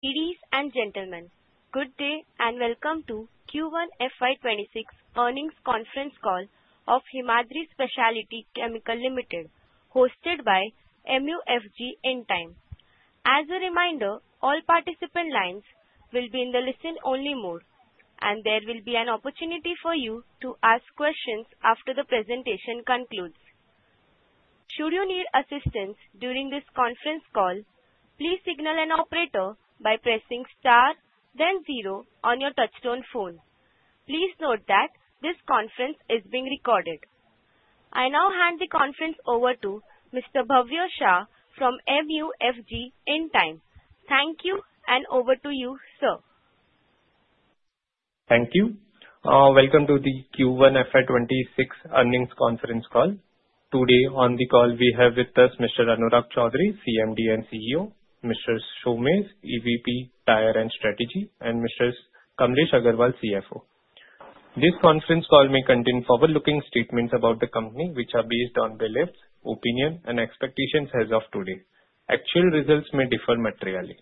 Ladies and Gentlemen, good day and welcome to Q1FY26 earnings conference call of Himadri Speciality Chemical Limited hosted by MUFG Intime. As a reminder, all participant lines will be in the listen only mode and there will be an opportunity for you to ask questions after the presentation concludes. Should you need assistance during this conference call, please signal an operator by pressing Star then zero on your touchstone phone. Please note that this conference is being recorded. I now hand the conference over to Mr. Bhavya Shah from MUFG Intime. Thank you and over to you sir. Thank you. Welcome to the Q1FY26 earnings conference call. Today on the call we have with us Mr. Anurag Choudhary, CMD and CEO, Mr. Shoames, EVP Tire and Strategy, and Mr. Kamlesh Agarwal, CFO. This conference call may contain forward-looking. Statements about the company, which are based. On beliefs, opinion, and expectations. As of today, actual results may differ materially.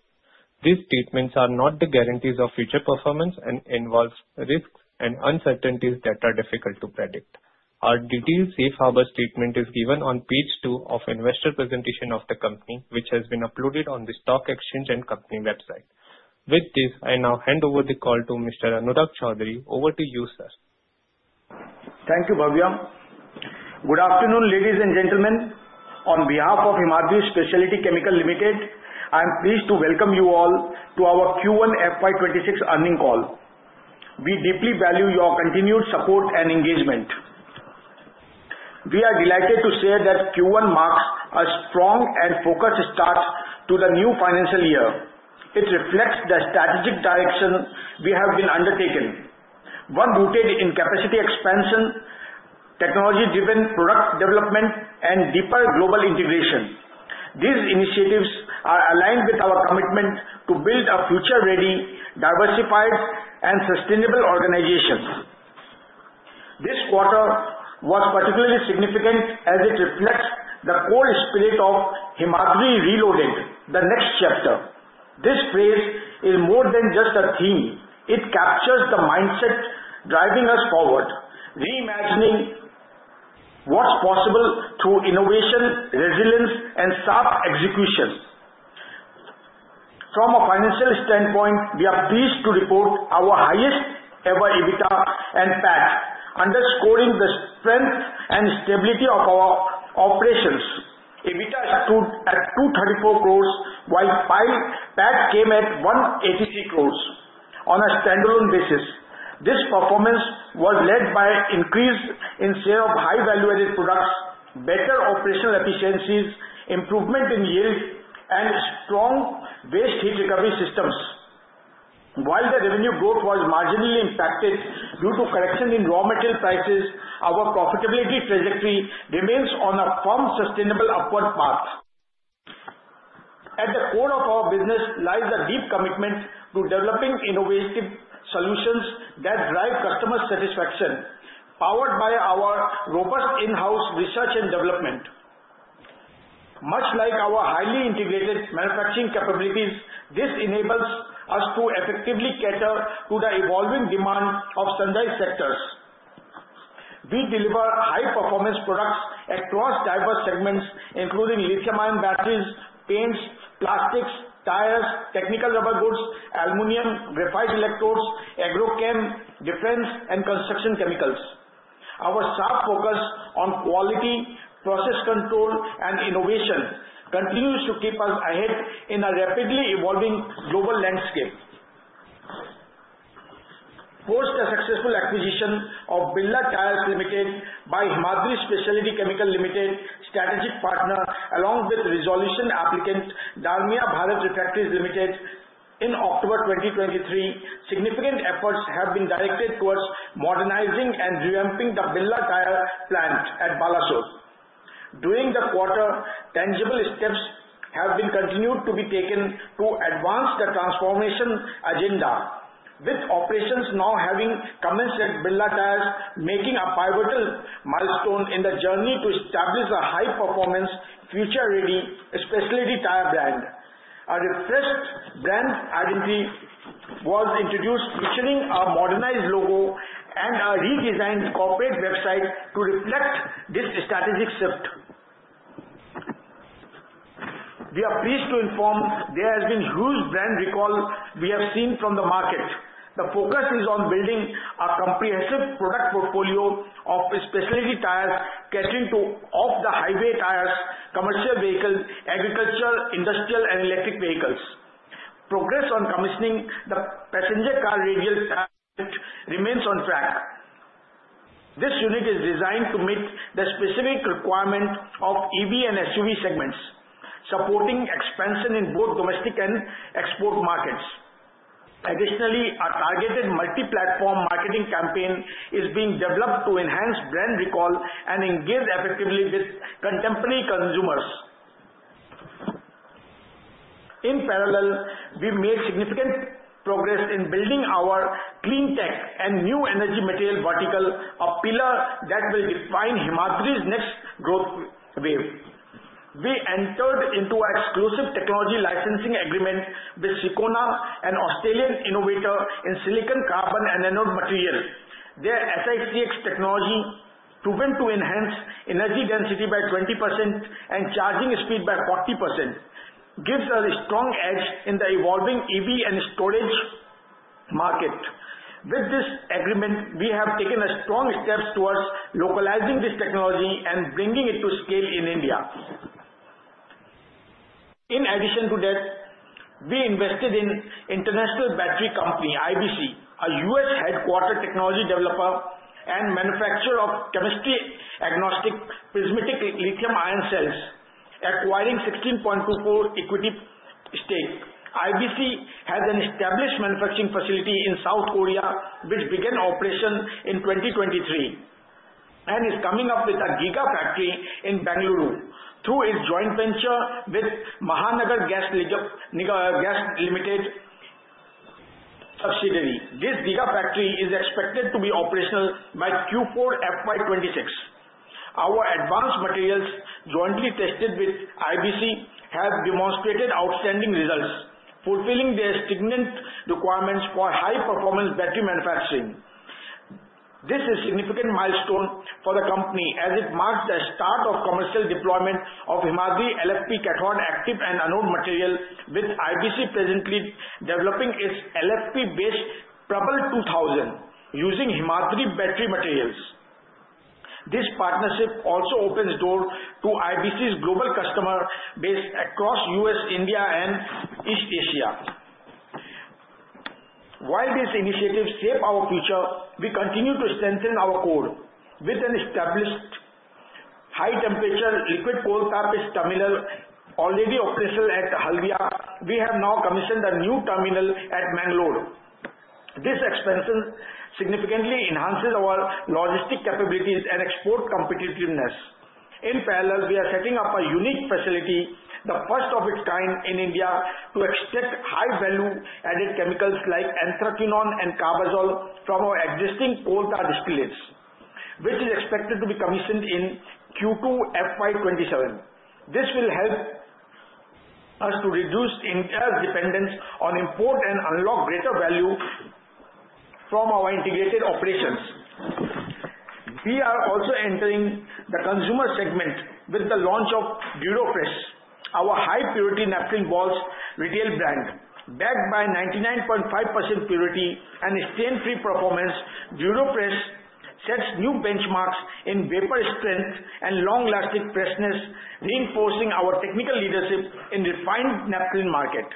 These statements are not the guarantees of. Future performance and involves risks and uncertainties that are difficult to predict. Our detailed safe harbor statement is given on page two of the investor presentation of the company, which has been uploaded on the stock exchange and company website. With this, I now hand over the. Call to Mr. Anurag Choudhary. Over to you sir. Thank you Bhavya. Good afternoon ladies and gentlemen. On behalf of Himadri Speciality Chemical Limited, I am pleased to welcome you all to our Q1 FY2026 earnings call. We deeply value your continued support and engagement. We are delighted to say that Q1 marks a strong and focused start to the new financial year. It reflects the strategic direction we have undertaken, one rooted in capacity expansion, technology-driven product development, and deeper global integration. These initiatives are aligned with our commitment to build a future-ready, diversified, and sustainable organization. This quarter was particularly significant as it reflects the core spirit of Himadri Reloaded. The Next Chapter, this phrase is more than just a theme. It captures the mindset driving us forward, reimagining what's possible through innovation, resilience, and sharp execution. From a financial standpoint, we are pleased to report our highest ever EBITDA and PAT, underscoring the strength and stability of our operations. EBITDA stood at 234 crore while PAT came at 186 crore. On a standalone basis, this performance was led by increase in sale of high value-added products, better operational efficiencies, improvement in yield, and strong waste heat recovery systems. While the revenue growth was marginally impacted due to correction in raw material prices, our profitability trajectory remains on a firm, sustainable upward path. At the core of our business lies a deep commitment to developing innovative solutions that drive customer satisfaction, powered by our robust in-house research and development. Much like our highly integrated manufacturing capabilities, this enables us to effectively cater to the evolving demand of sundry sectors. We deliver high-performance products across diverse segments including lithium ion batteries, paints, plastics, tires, technical rubber goods, aluminum, graphite electrodes, agrochem, defense, and construction chemicals. Our sharp focus on quality, process control, and innovation continues to keep us ahead in a rapidly evolving global landscape. Post the successful acquisition of Birla Tyres Limited by Himadri Speciality Chemical Limited, strategic partner along with resolution applicants Dalmia Bharat Refractories Limited in October 2023, significant efforts have been directed towards modernizing and revamping the Birla Tyres plant at Balasore. During the quarter, tangible steps have continued to be taken to advance the transformation agenda, with operations now having commenced at Birla Tyres, making a pivotal milestone in the journey to establish a high-performance, future-ready specialty tire brand. A refreshed brand identity was introduced, featuring a modernized logo and a redesigned corporate website to reflect this strategic shift. We. Are pleased to inform there has been huge brand recall we have seen from the market. The focus is on building a comprehensive product portfolio of specialty tires catering to off the highway tires, commercial vehicles, agricultural, industrial and electric vehicles. Progress on commissioning the passenger car radial remains on track. This unit is designed to meet the specific requirement of EV and SUV segments, supporting expansion in both domestic and export markets. Additionally, a targeted multi platform marketing campaign is being developed to enhance brand recall and engage effectively with contemporary consumers. In parallel, we made significant progress in building our clean tech and new energy material vertical, a pillar that will define Himadri's next growth wave. We entered into our exclusive technology licensing agreement with Sicona Battery Technologies, an Australian innovator in silicon, carbon and anode materials. Their SICX technology, proven to enhance energy density by 20% and charging speed by 40%, gives a strong edge in the evolving EV and storage market. With this agreement, we have taken strong steps towards localizing this technology and bringing it to scale in India. In addition to that, we invested in International Battery Company, a U.S. headquartered technology developer and manufacturer of chemistry agnostic prismatic lithium ion cells, acquiring 16.24% equity stake. IBC has an established manufacturing facility in South Korea which began operation in 2023 and is coming up with a gigafactory in Bengaluru through its joint venture with Mahanagar Gas Limited subsidiary. This gigafactory is expected to be operational by Q4FY26. Our advanced materials jointly tested with IBC have demonstrated outstanding results fulfilling their stringent requirements for high performance battery manufacturing. This is a significant milestone for the company as it marks the start of commercial deployment of Himadri lithium iron phosphate cathode active and anode materials, with IBC presently developing its LFP based Prabhal 2000 cells using Himadri battery materials. This partnership also opens doors to IBC's global customer base across U.S., India and East Asia. While these initiatives shape our future, we continue to strengthen our core. With an established high temperature liquid coal tar pitch terminal already operational at Haldia, we have now commissioned a new terminal at Mangalore. This expansion significantly enhances our logistic capabilities and export competitiveness. In parallel, we are setting up a unique facility, the first of its kind in India, to extract high value-added chemicals like anthraquinone and carbazole from our existing polta distillates, which is expected to be commissioned in Q2FY27. This will help us to reduce dependence on import and unlock greater value from our integrated operations. We are also entering the consumer segment with the launch of Durofresh, our high-purity naphthalene balls retail brand, backed by 99.5% purity and stain-free performance. Bureau press sets new benchmarks in vapor strength and long-lasting freshness, reinforcing our technical leadership in the refined naphthalene market.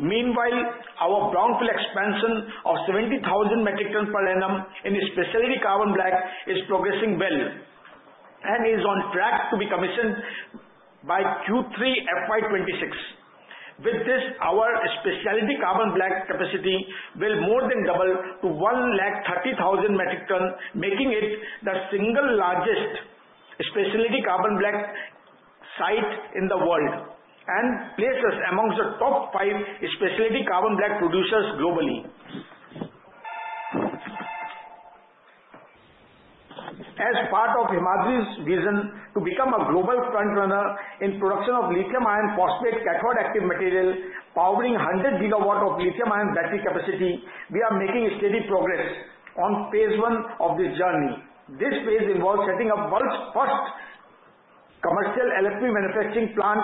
Meanwhile, our brownfield expansion of 70,000 metric tons per annum in specialty carbon black is progressing well and is on track to be commissioned by Q3FY26. With this, our specialty carbon black capacity will more than double to 130,000 metric tons, making it the single largest specialty carbon black site in the world and placing us amongst the top five specialty carbon black producers globally. As part of Himadri's vision to become a global frontrunner in production of lithium iron phosphate cathode active material powering 100 gigawatt of lithium ion battery capacity, we are making steady progress on phase one of the journey. This phase involves setting up the world's first commercial LFP manufacturing plant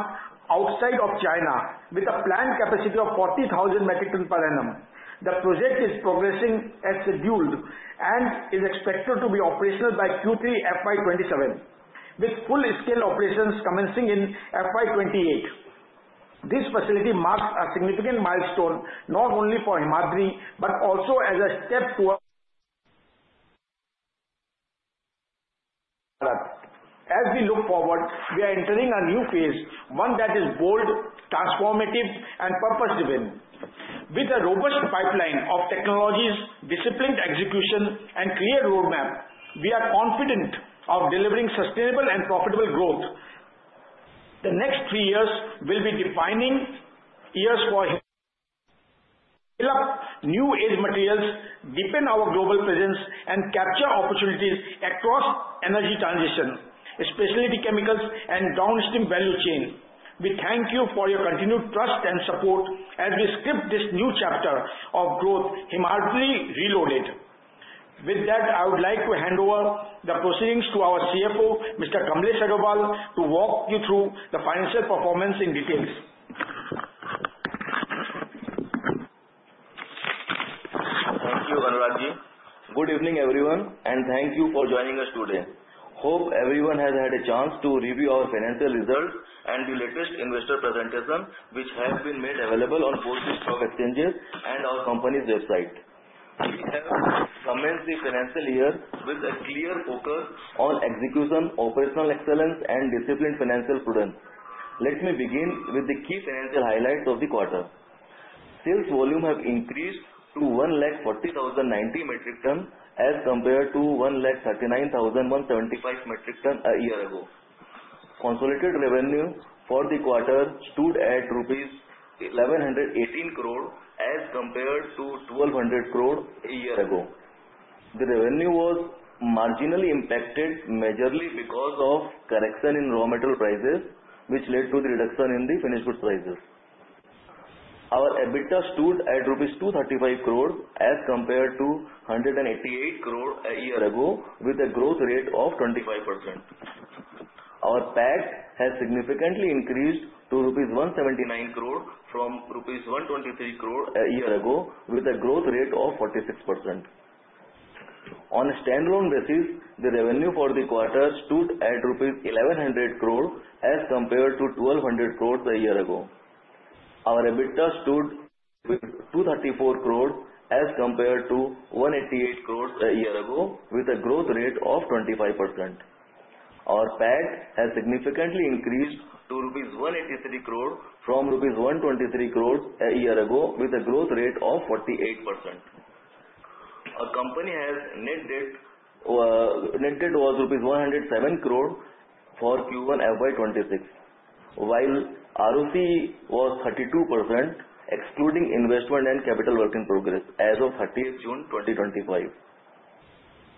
outside of China, with a planned capacity of 40,000 metric tons per annum. The project is progressing as scheduled and is expected to be operational by Q3FY27, with full-scale operations commencing in FY28. This facility marks a significant milestone not only for Himadri but also as a step towards, as we look forward, we are entering a new phase, one that is bold, transformative, and purpose-driven. With a robust pipeline of technologies, disciplined execution, and clear roadmap, we are confident of delivering sustainable and profitable growth. The next three years will be defining years to develop new age materials, deepen our global presence, and capture opportunities across energy transition, especially the chemicals and downstream value chain. We thank you for your continued trust and support as we script this new chapter of Growth Himalayan Reloaded. With that, I would like to hand over the proceedings to our CFO, Mr. Kamlesh Agarwal, to walk you through the financial performance in detail. Thank you, Anuragji. Good evening everyone and thank you for joining us today. Hope everyone has had a chance to review our financial results and the latest investor presentation which have been made available on both the stock exchanges and our company's website. We have commenced the financial year with a clear focus on execution, operational excellence, and disciplined financial prudence. Let me begin with the key financial highlights of the quarter. Sales volume have increased to 140,090 metric tons as compared to 139,175 metric tons a year ago. Consolidated revenue for the quarter stood at rupees 1,118 crore as compared to 1,200 crore a year ago. The revenue was marginally impacted mainly because of correction in raw material prices which led to the reduction in the finished goods prices. Our EBITDA stood at rupees 235 crore as compared to 188 crore a year ago with a growth rate of 25%. Our PAT has significantly increased to rupees 179 crore from rupees 123 crore a year ago with a growth rate of 46%. On a standalone basis, the revenue for the quarter stood at INR 1,100 crore as compared to 1,200 crore a year ago. Our EBITDA stood with INR. 234 crore as compared to 188 crore a year ago with a growth rate of 25%. Our PAT has significantly increased to rupees 183 crore from rupees 123 crore a year ago with a growth rate of 48%. The company has net debt of rupees 107 crore for Q1FY26 while ROCE was 32% excluding investment and capital work in progress as of June 30, 2025.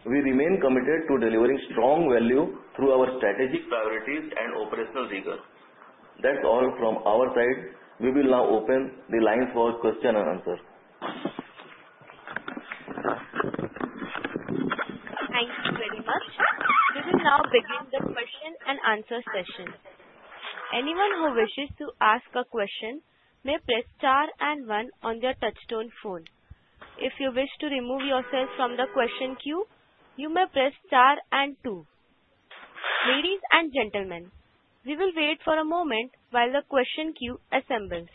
We remain committed to delivering strong value through our strategic priorities and operational results. That's all from our side. We will now open the lines for question and answer. Thank you very much. We will now begin the question and answer session. Anyone who wishes to ask a question may press star and one on their touchstone phone. If you wish to remove yourself from the question queue, you may press star and two. Ladies and gentlemen, we will wait for a moment while the question queue assembles.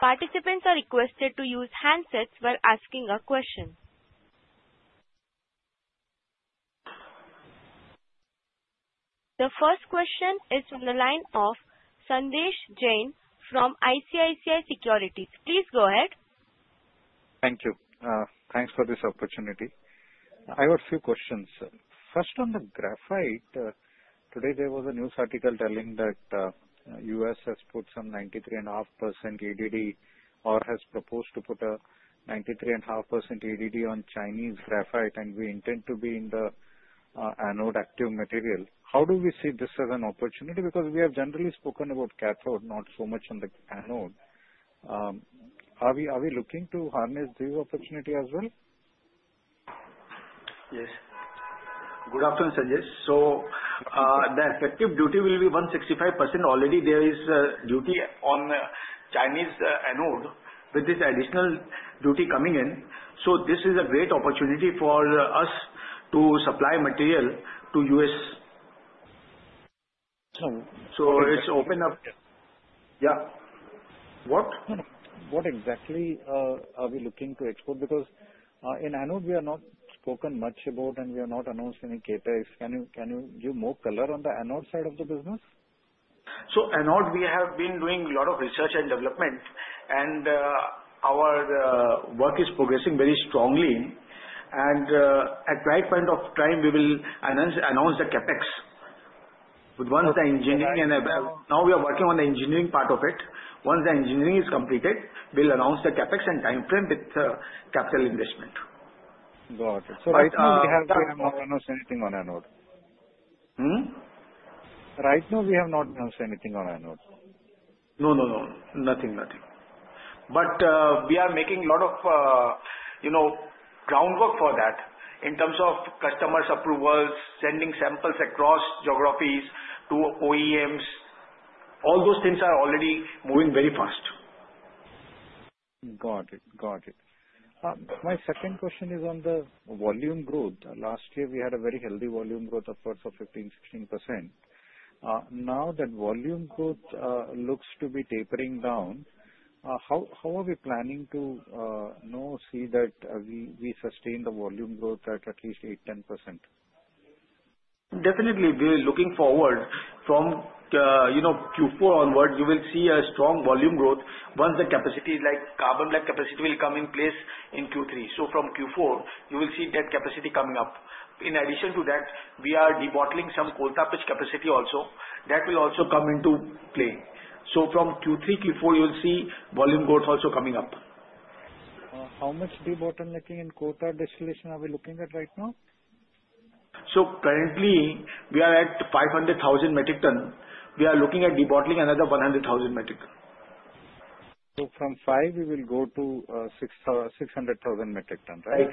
Participants are requested to use handsets while asking a question. The first question is from the line of Sandesh Jain from ICICI Securities. Please go ahead. Thank you. Thanks for this opportunity. I got few questions. First on the graphite. Today there was a news article telling that U.S. has put some 93.5% EDD or has proposed to put a 93.5% EDD on Chinese graphite. We intend to be in the anode active material. How do we see this as an opportunity? We have generally spoken about cathode, not so much on the anode. Are we looking to harness this opportunity as well? Yes. Good afternoon, Sanjay. The effective duty will be 165%. Already there is duty on Chinese anode with this additional duty coming in. This is a great opportunity for us to supply material to us. It's open up. Yeah. What. What exactly are we looking to export? Because in anode we have not spoken much about and we have not announced any cathodes. Can you give more color on the anode side of the business? Anode, we have been doing a lot of research and development and our work is progressing very strongly. At the right point of time, we will announce the CapEx once the engineering, and now we are working on the engineering part of it. Once the engineering is completed, we'll announce the CapEx and time frame with capital investment. Got it. Right now we have not announced anything on anode. Right now we have not announced anything on anode. No, no, no. Nothing. Nothing. We are making a lot of groundwork for that in terms of customer approvals, sending samples across geographies to OEMs. All those things are already moving very fast. Got it. My second question is on the volume growth. Last year we had a very healthy volume growth, upwards of 15%, 16%. Now that volume growth looks to be tapering down. How are we planning to see that we sustain the volume growth at at least 8%, 10%? Definitely we are looking forward. From Q4 onward you will see a strong volume growth. Once the capacity is, like carbon black capacity, will come in place in Q3. From Q4 you will see that capacity coming up. In addition to that, we are debottling some coal tar pitch capacity also. That will also come into play. From Q3, Q4 you will see volume growth also coming up, how much. Debottlenecking and quota distillation, are we looking at right now? Currently we are at 500,000 metric tons. We are looking at debottling another 100,000 metric tons. From 5 we will go to 600,000 metric ton. Right.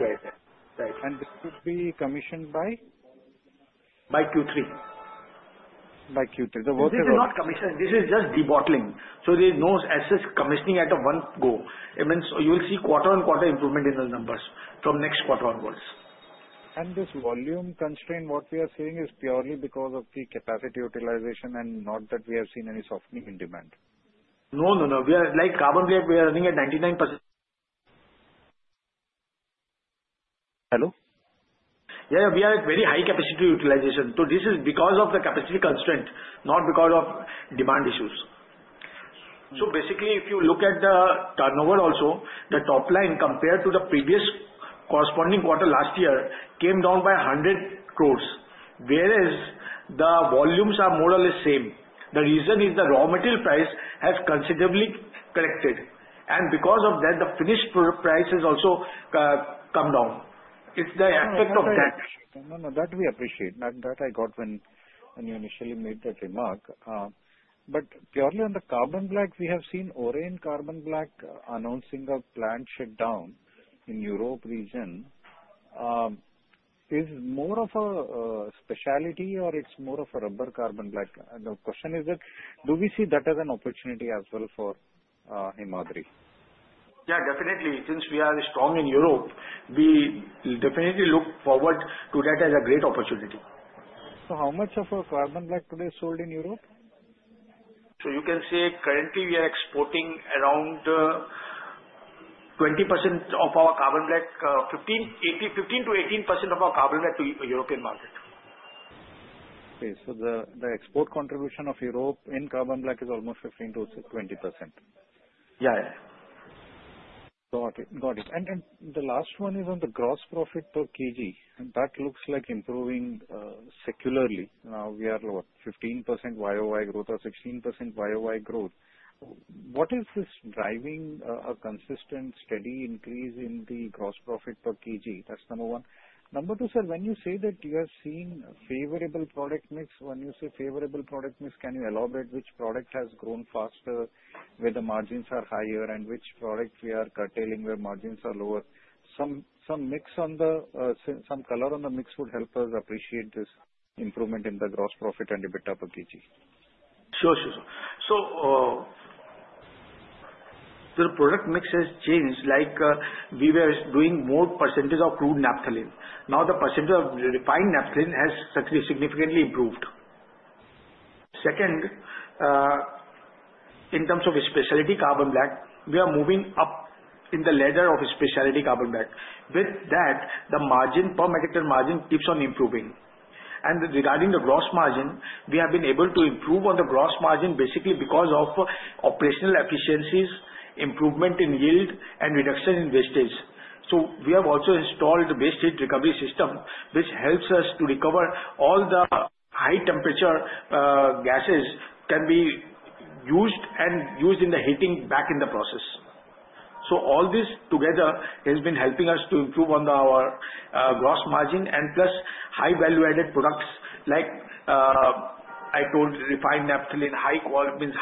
This would be commissioned by. By Q3? By Q3. It is not commissioned, this is just debottling. There is no assets commissioning at a one go. It means you will see quarter on quarter improvement in the numbers from next quarter onwards. This volume constraint we are seeing is purely because of the capacity utilization, not that we have seen any softening in demand. No, no. We are like carbon grade. We are running at 99%. Hello. Yeah, we are at very high capacity utilization. This is because of the capacity constraint, not because of demand issues. If you look at the turnover, also the top line compared to the previous corresponding quarter last year came down by 1.00 billion, whereas the volumes are more or less same. The reason is the raw material price has considerably corrected, and because of that the finished price has also come down. It's the effect of that that we appreciate. I got when you initially made that remark, but purely on the carbon black, we have seen SNF and carbon black announcing a planned shutdown in Europe region. Is it more of a specialty or it's more of a rubber carbon black? The question is that, do we see that as an opportunity as well for Himadri? Yeah, definitely. Since we are strong in Europe, we definitely look forward to that as a great opportunity. How much of a carbon black today sold in Europe? You can say currently we are exporting around 20% of our carbon black, 15% to 18% of our carbon black to European market. The export contribution of Europe in carbon black is almost 15 to 20%. Got it, got it. The last one is on the gross profit per kilogram. That looks like improving secularly. Now we are 15% YoY growth or 16% YoY growth. What is driving a consistent steady increase in the gross profit per kilogram? That's number one. Number two, sir, when you say that you have seen favorable product mix, when you say favorable product mix, can you elaborate which product has grown faster where the margins are higher and which product we are curtailing where margins are lower? Some color on the mix would help us appreciate this improvement in the gross profit and EBITDA per kilogram. Sure. So. The product mix has changed like we were doing more % of crude naphthalene, now the % of refined naphthalene has significantly improved. Second, in terms of specialty carbon black, we are moving up in the ladder of specialty carbon black. With that, the margin per megaton margin keeps on improving. Regarding the gross margin, we have been able to improve on the gross margin basically because of operational efficiencies, improvement in yield, and reduction in wastage. We have also installed the waste heat recovery system, which helps us to recover all the high temperature gases that can be used and used in the heating back in the process. All this together has been helping us to improve on our gross margin, plus high value-added products. Like I told, refined naphthalene, high quality means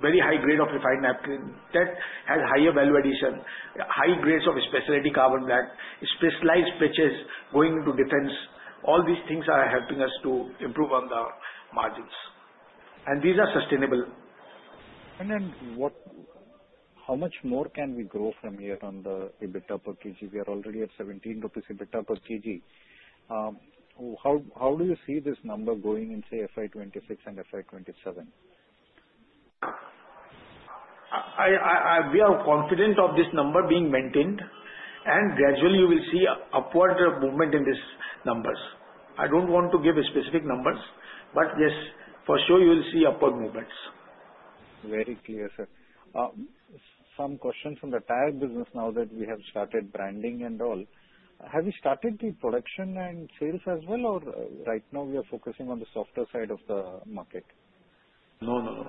high, very high grade of refined naphthalene that has higher value addition, high grades of specialty carbon that specialized purchase going to defense. All these things are helping us to improve on the margins and these are sustainable. How much more can we grow from here on the EBITDA per kg? We are already at 17 rupees EBITDA per kg. How do you see this number going in, say, FY 2026 and FY 2027? We are confident of this number being maintained. Gradually you will see upward movement in these numbers. I don't want to give specific numbers, but yes, for sure you will see upward movements. Very clear. Sir, some questions from the tag business. Now that we have started branding and all, have you started the production and sales as well? Right now we are focusing on the softer side of the market. No, no,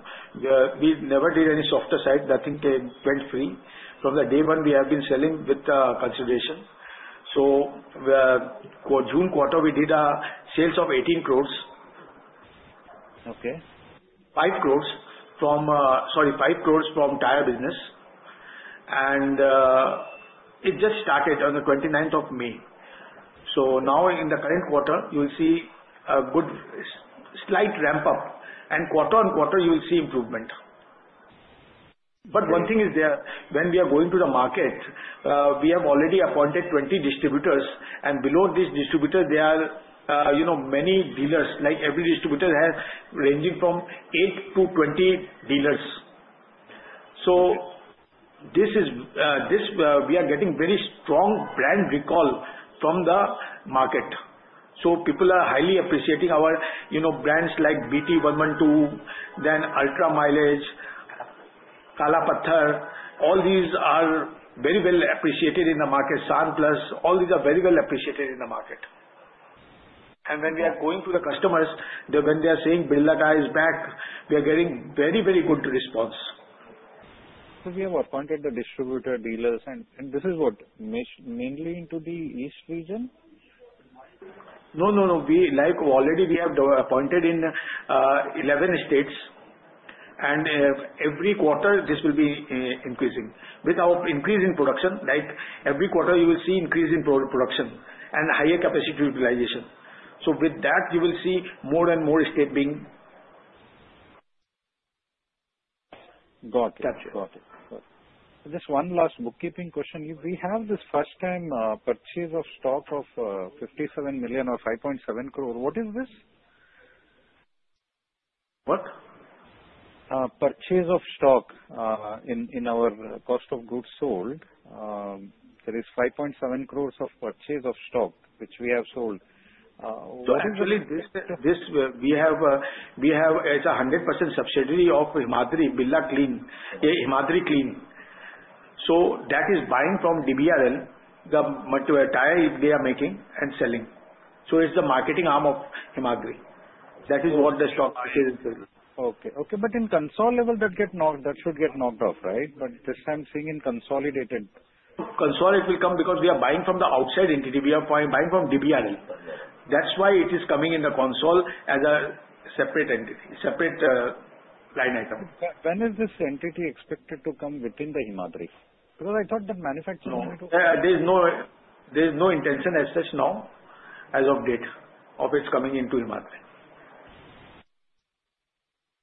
we never did any softer side. Nothing went free from day one. We have been selling with consideration. June quarter we did sales of 18 crore, 5 crore from tire business, and it just started on the 29th of May. In the current quarter you will see a good slight ramp up, and quarter on quarter you will see improvement. One thing is there, when we are going to the market, we have already appointed 20 distributors, and below this distributor there are many dealers. Every distributor has ranging from 8 to 20 dealers. We are getting very strong brand recall from the market. People are highly appreciating our brands like BT112, Ultra Mileage, Kalapattar. All these are very well appreciated in the market, San Plus, all these are very well appreciated in the market. When we are going to the customers, when they are saying Birla Tyres is back, we are getting very, very good response. We have appointed the distributor dealers, and this is mainly into the east region. No, no, no. We already have appointed in 11 states. Every quarter this will be increasing without increasing production. Every quarter you will see increase in production and higher capacity utilization. With that you will see more and more step being. Got it. Just one last bookkeeping question. If we have this first time purchase of stock of 57 million or 5.7 crore, what is this? What purchase of stock? In our cost of goods sold, there is 5.7 crore of purchase of stock which we have sold. This. It's a 100% subsidiary of Himadri. Himadri Clean. That is buying from Birla Tyres. If they are making and selling, it's the marketing arm of Himadri. That is what the stock market. Okay, okay. At the console level, that gets knocked. That should get knocked off, right? I'm seeing this in Consolidated. will come because we are buying from the outside entity. We are buying from Birla Tyres. That's why it is coming in the console as a separate entity, a separate line item. When is this entity expected to come within Himadri? Because I thought that manufacturer. There's no intention as such now as of date of its coming into.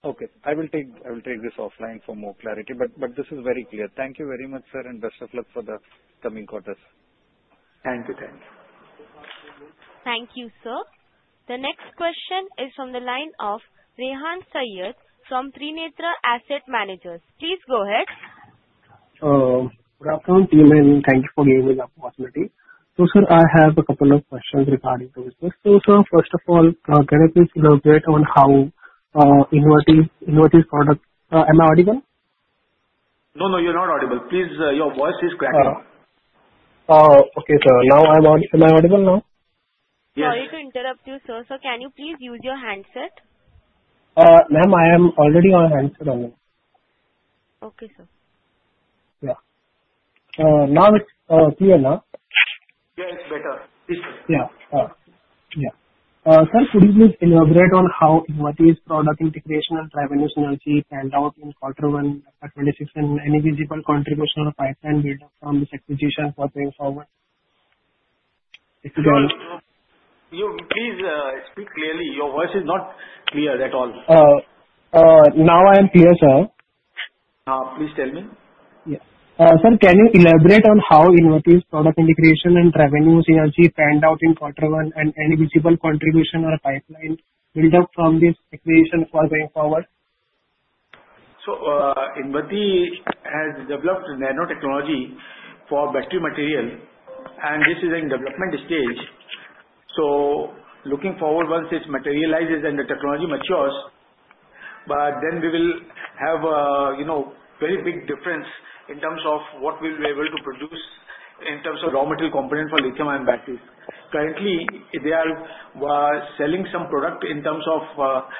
Okay, I will take this offline for more clarity. This is very clear. Thank you very much, sir, and best of luck for the coming quarters. Thank you. Thank you. Thank you, sir. The next question is from the line of Rehan Syed from Prinetra Asset Managers. Please go ahead. Thank you for giving me the opportunity. Sir, I have a couple of questions regarding the business. First of all, can I please elaborate on how inverting inverted product. Am I audible? No. No, you're not audible. Please, your voice is cracking. Okay, I'm on. Am I audible now? Sorry to interrupt you, sir. Can you please use your handset? Ma'am, I am already on handset. Okay. Sir. Yeah, now it's clear. Yeah, it's better. Sir, could you please elaborate on how, what is product integration and revenue synergy, and out in quarter one 2026? Any visible contribution or pipeline build up from this acquisition for paying forward? Please speak clearly. Your voice is not clear at all. Now I am clear, sir. Please tell me. Yes, sir, can you elaborate on how invert is possible? Product integration and revenue synergy panned out in quarter one. Any visible contribution or pipeline build up from this equation for going forward? Invati has developed nanotechnology for battery material. This is in development stage, looking forward once it materializes and the technology matures. Then we will have, you know, very big difference in terms of what we'll be able to produce in terms of raw material component for lithium ion batteries. Currently they are selling some product in. Terms of.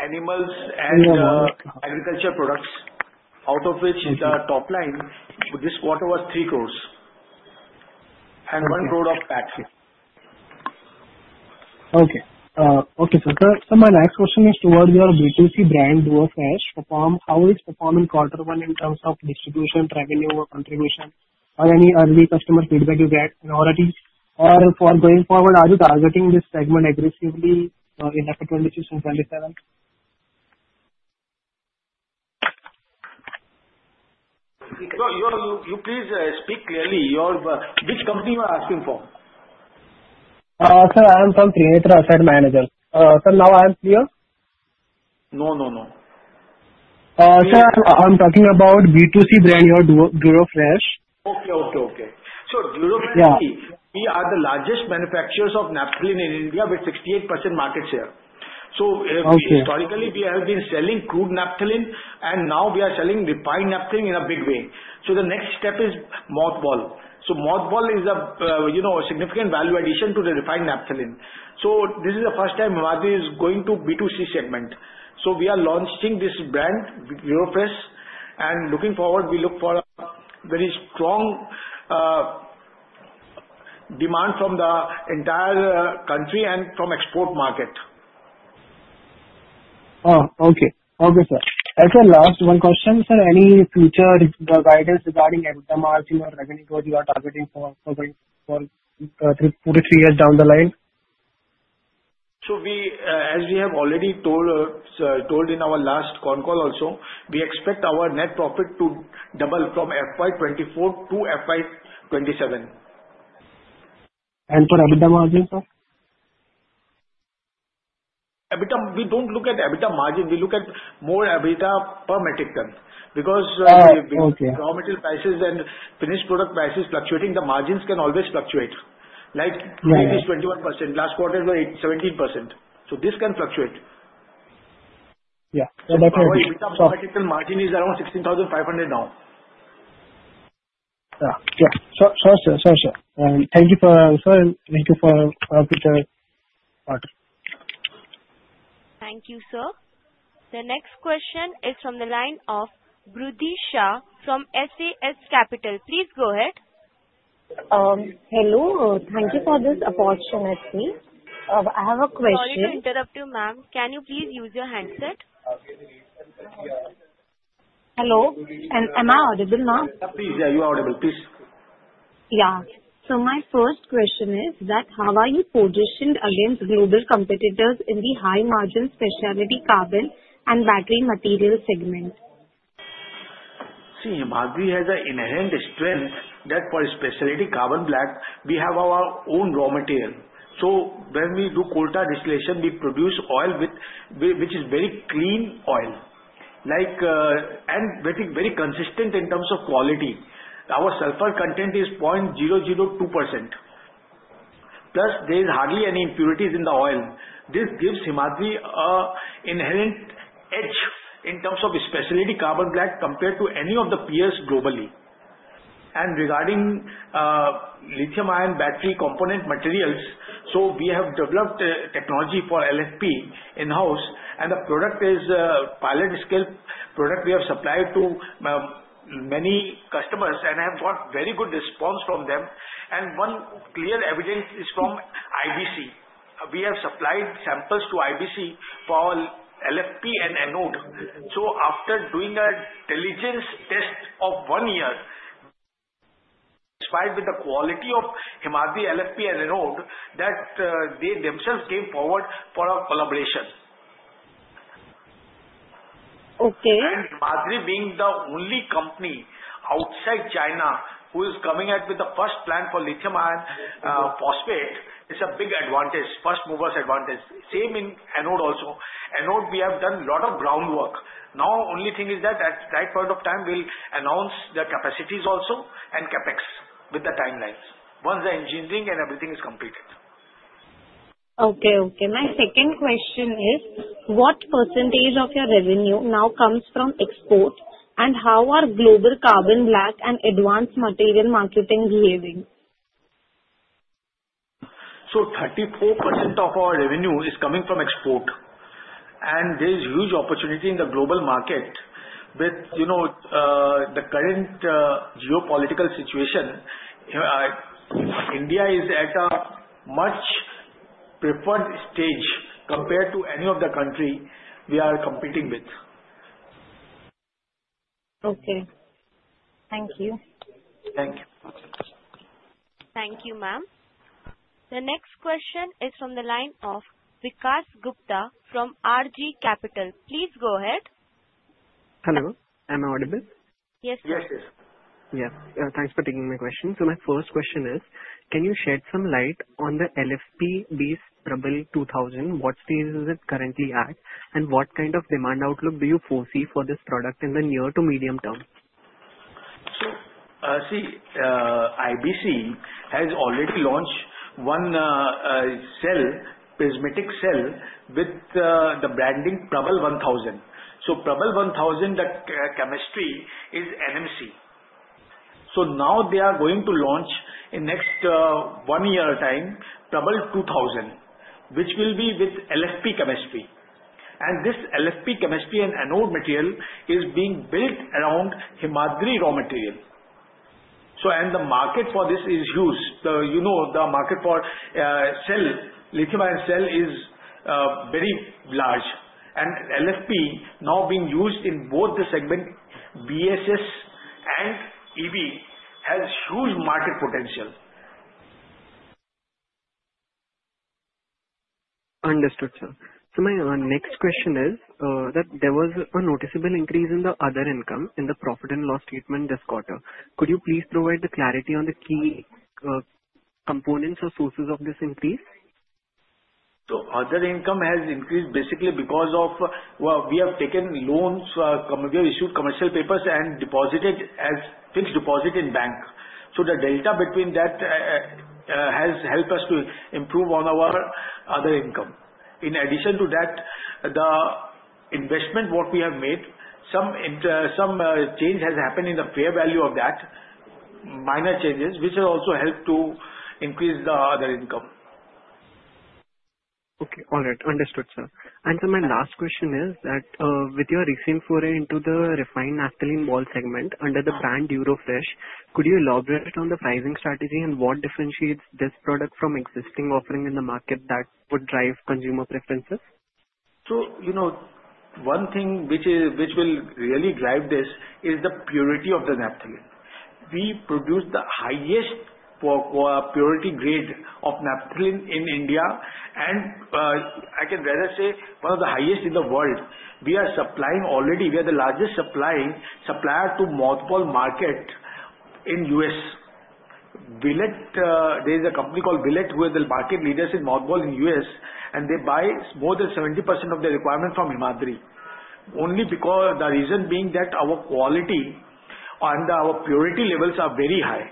Animals and agriculture products, out of which the top line this quarter was 3 crore and 1 crore of packed. Okay. Okay. My next question is towards your B2C brand Durofresh, how it's performing quarter one in terms of distribution, revenue or contribution, or any early customer feedback you get. Priorities for going forward, are you targeting this segment aggressively in FY26 and 27? You please speak clearly which company you are asking for. Sir, I am from Trinitra Asset Manager. Sir, now I am clear. No, sir, I'm talking about B2C brand, your Durofresh. Okay. We are the largest manufacturers of naphthalene in India with 68% market share. Historically, we have been selling crude naphthalene and now we are selling the fine naphthalene in a big way. The next step is mothball, which is a significant value addition to the refined naphthalene. This is the first time Himadri is going to the B2C segment. We are launching this brand Durofresh and looking forward, we look for very. Strong. Demand from the entire country and from export market. Okay. Sir, as a last one question, any future guidance regarding EBITDA margin or revenue growth you are targeting for two to three years down the line? As we have already told in our last con call, we expect our net profit to double from FY24 to FY27. For EBITDA margin. We don't look at EBITDA margin. We look at more EBITDA per metric then because raw material prices and finished product prices fluctuating, the margins can always fluctuate. Like 21% last quarter, 17%. This can fluctuate. Margin is around INR 16,500 now. Thank you for. Thank you for. Thank you. Sir, the next question is from the line of Bhavya Shah from SAS Capital. Please go ahead. Hello, thank you for this opportunity. I have a question. Can you please use your handset? Hello. Am I audible? Ma'am, please. Are you audible, please? Yeah. My first question is that how are we positioned against global competitors in the high margin specialty carbon and battery material segment, see Himadri. Has an inherent strength that for specialty carbon black we have our own raw material. When we do coal tar distillation we produce oil which is very clean oil-like and very consistent in terms of quality. Our sulfur content is 0.002% plus there is hardly any impurities in the oil. This gives Himadri an inherent edge in terms of specialty carbon black compared to any of the peers globally. Regarding lithium ion battery component materials, we have developed technology for LFP in house and the product is pilot scale product. We have supplied to many customers and have got very good response from them. One clear evidence is from IBC. We have supplied samples to International Battery Company for LFP and anode. After doing a diligence test of one year, with the quality of Himadri LFP and anode, they themselves came forward for a collaboration. Okay. Himadri being the only company outside China who is coming out with the first plan for lithium iron phosphate is a big advantage. First mover's advantage, same in anode also. Anode, we have done lot of groundwork now. Only thing is that at that point of time we will announce the capacities also and CapEx with the timelines once the engineering and everything is completed. Okay. Okay. My second question is what % of your revenue now comes from export, and how are global carbon black and advanced material marketing behaving? 34% of our revenue is coming from export. There is huge opportunity in the global market. With the current geopolitical situation, India is at a much preferred stage compared to any of the country we are competing with. Okay, thank you. Thank you. Thank you. Ma'. The next question is from the line of Vikas Gupta from RG Capital. Please go ahead. Hello. Am I audible? Yes. Yes. Yes. Yes. Thanks for taking my question. My first question is can you shed some light on the LFP based Prabhal 2000? What stage is it currently at, and what kind of demand outlook do you foresee for this product in the near to medium term? Battery Company has already launched one prismatic cell with the branding Prabhal 1000. Prabhal 1000 chemistry is NMC. They are going to launch in the next one year Prabhal 2000, which will be with LFP chemistry. This LFP chemistry and anode material is being built around Himadri raw material. The market for this is huge. You know the market for lithium ion cell is very large. LFP now being used in both the segment BSS and EB has huge market potential. Understood, sir. My next question is that there was a noticeable increase in the other income in the profit and loss statement this quarter. Could you please provide the clarity on the key components or sources of this increase? Other income has increased basically because of what we have taken loans, issued commercial papers and deposited as fixed deposit in bank. The delta between that has helped us to improve on our other income. In addition to that the investment what we have made, some change has happened in the fair value of that, minor changes which has also helped to increase the other income. Okay. All right. Understood, sir. My last question is that with your recent foray into the refined naphthalene ball segment under the brand Durofresh, could you elaborate on the pricing strategy and what differentiates this product from existing offerings in the market that would drive consumer preferences. One thing which will really drive this is the purity of the naphthalene. We produce the highest purity grade of naphthalene in India, and I can rather say one of the highest in the world. We are supplying already. We are the largest supplier to the mothball market in the U.S. There is a company called Villette where they're market leaders in mothball in the U.S., and they buy more than 70% of the requirement from Himadri only because the reason being that our quality and our purity levels are very high.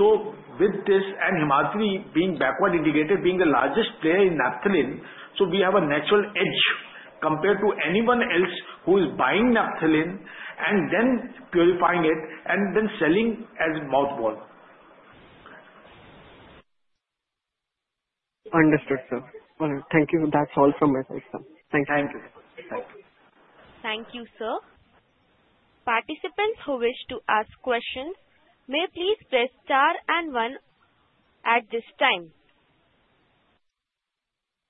With this and Himadri being backward integrated, being the largest player in naphthalene, we have a natural edge compared to anyone else who is buying naphthalene and then purifying it and then selling as mothball. Understood sir. Thank you. That's all from my side, sir. Thank you. Thank you, sir. Participants who wish to ask questions may please press star and one at this time.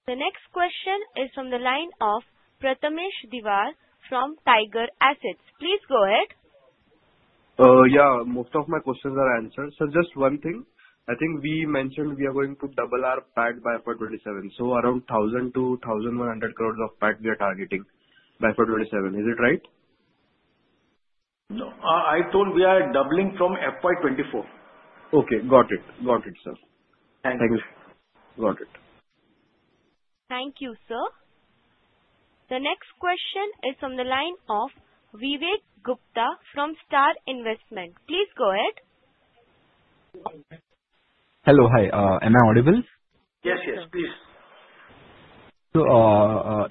The next question is from the line of Prathamesh Diwar from Tiger Assets. Please go ahead. Yeah, most of my questions are answered. Just one thing, I think we. Mentioned we are going to double our. Pad by for 27. Around 1,000 to 1,100 crore. Of PCE we are targeting by FY 2027. Is it right? No, I told we are doubling from FY 2024. Okay, got it. Got it, sir. Thank you. Got it. Thank you, sir. The next question is from the line of Vivek Gupta from Star Investment. Please go ahead. Hello. Hi. Am I audible? Yes. Yes, please.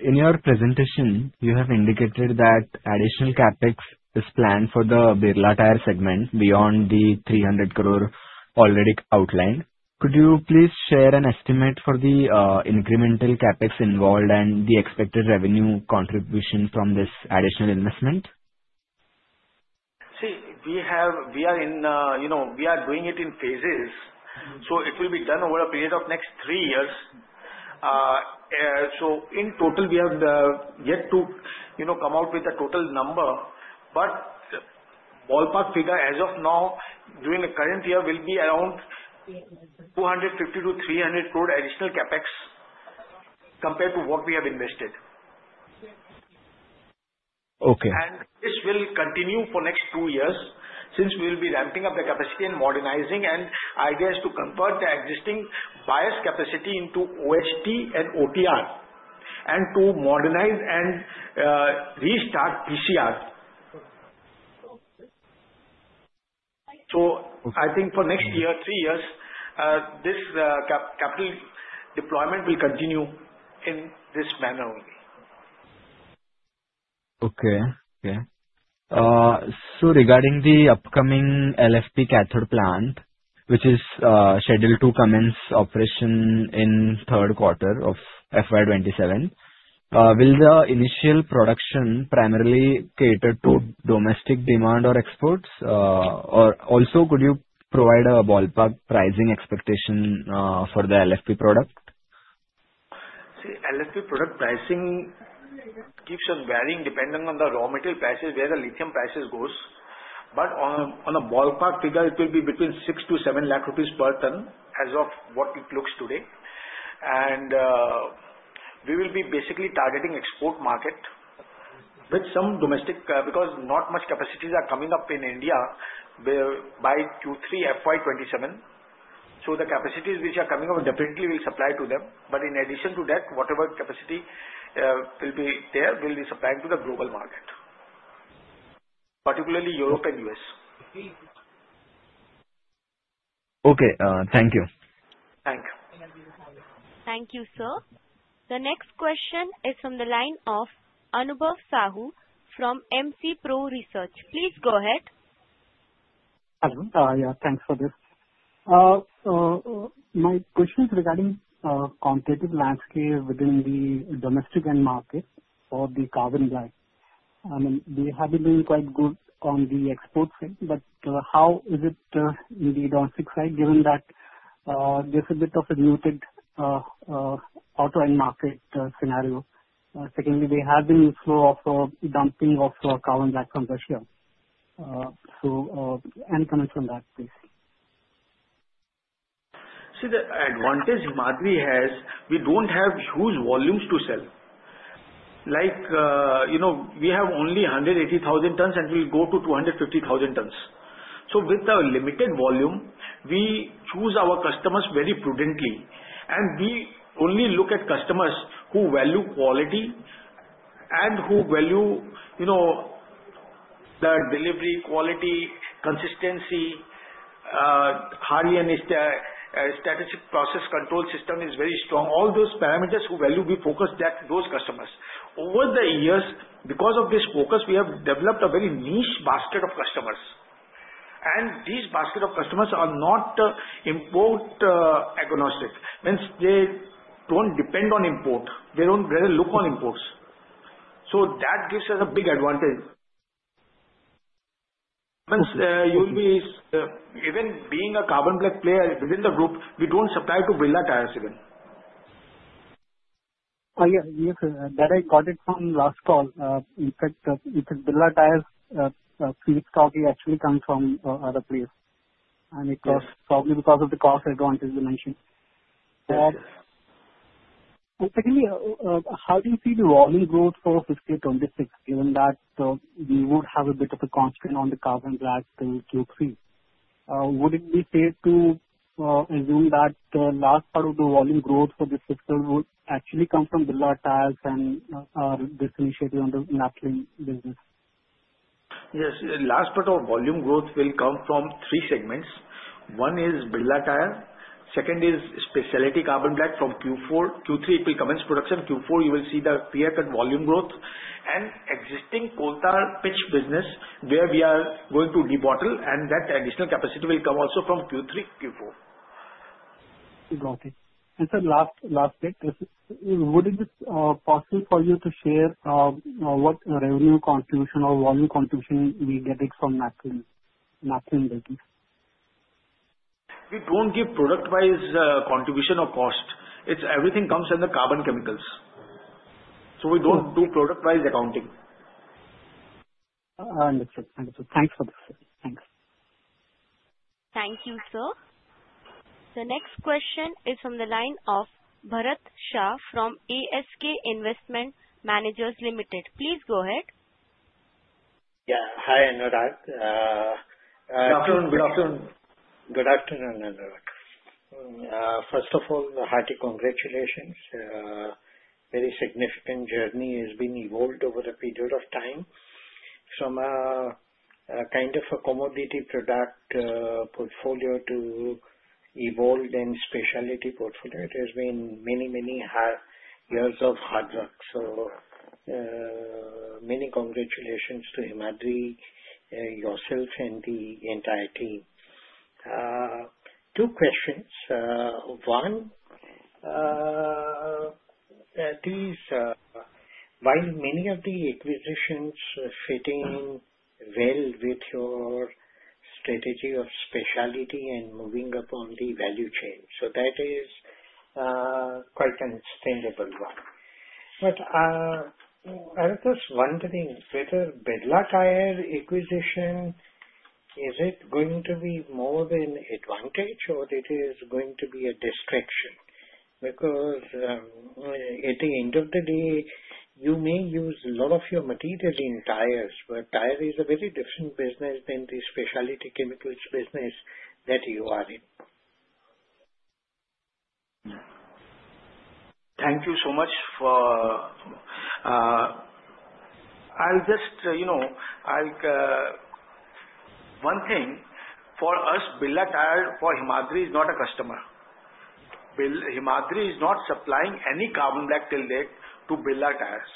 In your presentation, you have indicated that additional CapEx is planned for the Birla Tyres segment beyond the 300 crore already outlined. Could you please share an estimate? The incremental capex involved and the expected revenue contribution from this additional investment. We are in, you know, we are doing it in phases. It will be done over a period of next three years. In total we have yet to, you know, come out with a total number. A ballpark figure as of now during the current year will be around 250 to 300 crore additional capex compared to what we have invested. Okay. This will continue for next two years since we will be ramping up the capacity and modernizing, and idea is to convert the existing bias capacity into OHT and OTR and to modernize and restart PCR. I think for next two, three years, this capital deployment will continue in this manner only. Okay. the upcoming lithium iron phosphate cathode. Plant which is scheduled to commence operation in the third quarter of FY27. Will the initial production primarily cater to domestic demand or exports? Also, could you provide a ballpark pricing expectation for the LFP product? See, LFP product pricing keeps on varying depending on the raw material prices, where the lithium prices goes. On a ballpark figure, it will be between 600,000 to 700,000 rupees per tonne as of what it looks today. We will be basically targeting export market with some domestic because not much capacities are coming up in India whereby Q2 or Q3 FY2027. The capacities which are coming out definitely will supply to them. In addition to that, whatever capacity will be there will be supplying to the global market, particularly Europe and U.S. Okay, thank you. Thank. Thank you, sir. The next question is from the line of Anubhav Sahu from MC Pro Research. Please go ahead. Hello, thanks for this. My question is regarding competitive landscape within the domestic end market for the carbon black. I mean we have been doing quite good on the export side, but how is it indeed on fixed side given that there's a bit of a muted auto end market scenario. Secondly, there have been slow offer dumping of carbon black from Russia. Any comments on that, please. See the advantage Himadri has. We don't have huge volumes to sell. Like you know, we have only 180,000 tons and we'll go to 250,000 tons. With our limited volume, we choose our customers very prudently and we only look at customers who value quality and who value, you know, the delivery quality, consistency. Our process control system is very strong. All those parameters who value, we focus that those customers. Over the years, because of this focus, we have developed a very niche basket of customers. These basket of customers are not import agnostic, means they don't depend on import, they don't really look on imports. That gives us a big advantage even being a carbon black player within the group. We don't supply to Birla Tyres even. Oh yeah, that I got it from last call. In fact, if it's Birla Tyres copy actually comes from other places and it cost probably because of the cost advantage you mentioned. Secondly, how do you see the volume growth for fiscal 2026 given that we would have a bit of a constraint on the carbon grade till Q3? Would it be fair to assume that the last part of the volume growth for the fiscal would actually come from Birla Tyres and this initiative on the naphthalene business? Yes, last, but our volume growth will come from three segments. One is Birla Tyres. Second is specialty carbon black from Q4. Q3 it will commence production. Q4 you will see the PF and volume growth, and existing coal tar pitch business where we are going to debottle, and that additional capacity will come also from Q3. Q4. Got it. Sir, last bit. Would it be possible for you to share what revenue contribution or volume contribution we get exported? We don't give product wise contribution or cost. Everything comes in the carbon chemicals, so we don't do product price accounting. Thanks for this. Thanks. Thank you, sir. The next question is from the line of Bharat Shah from ASK Investment Managers Ltd. Please go ahead. Yeah. Hi Anurag. Good afternoon, Anurag. First of all, a hearty congratulations. Very significant journey has been evolved over a period of time from a kind of a commodity product portfolio to evolved and specialty portfolio. It has been many, many years of hard work. So many congratulations to Himadri, yourself and the entire team. Two questions. One. Many of the acquisitions fit in well with your strategy of specialty and moving up on the value chain. That is quite understandable. I was just wondering whether. Birla Tyres acquisition, is it going to be more an advantage or is it going to be a distraction? Because at the end of the day, you may use a lot of your material in tires, but tire is a very different business than the specialty chemicals business that you are in. Thank you so much. One thing for us, Birla Tyres for Himadri is not a customer. Himadri is not supplying any carbon black to Birla Tyres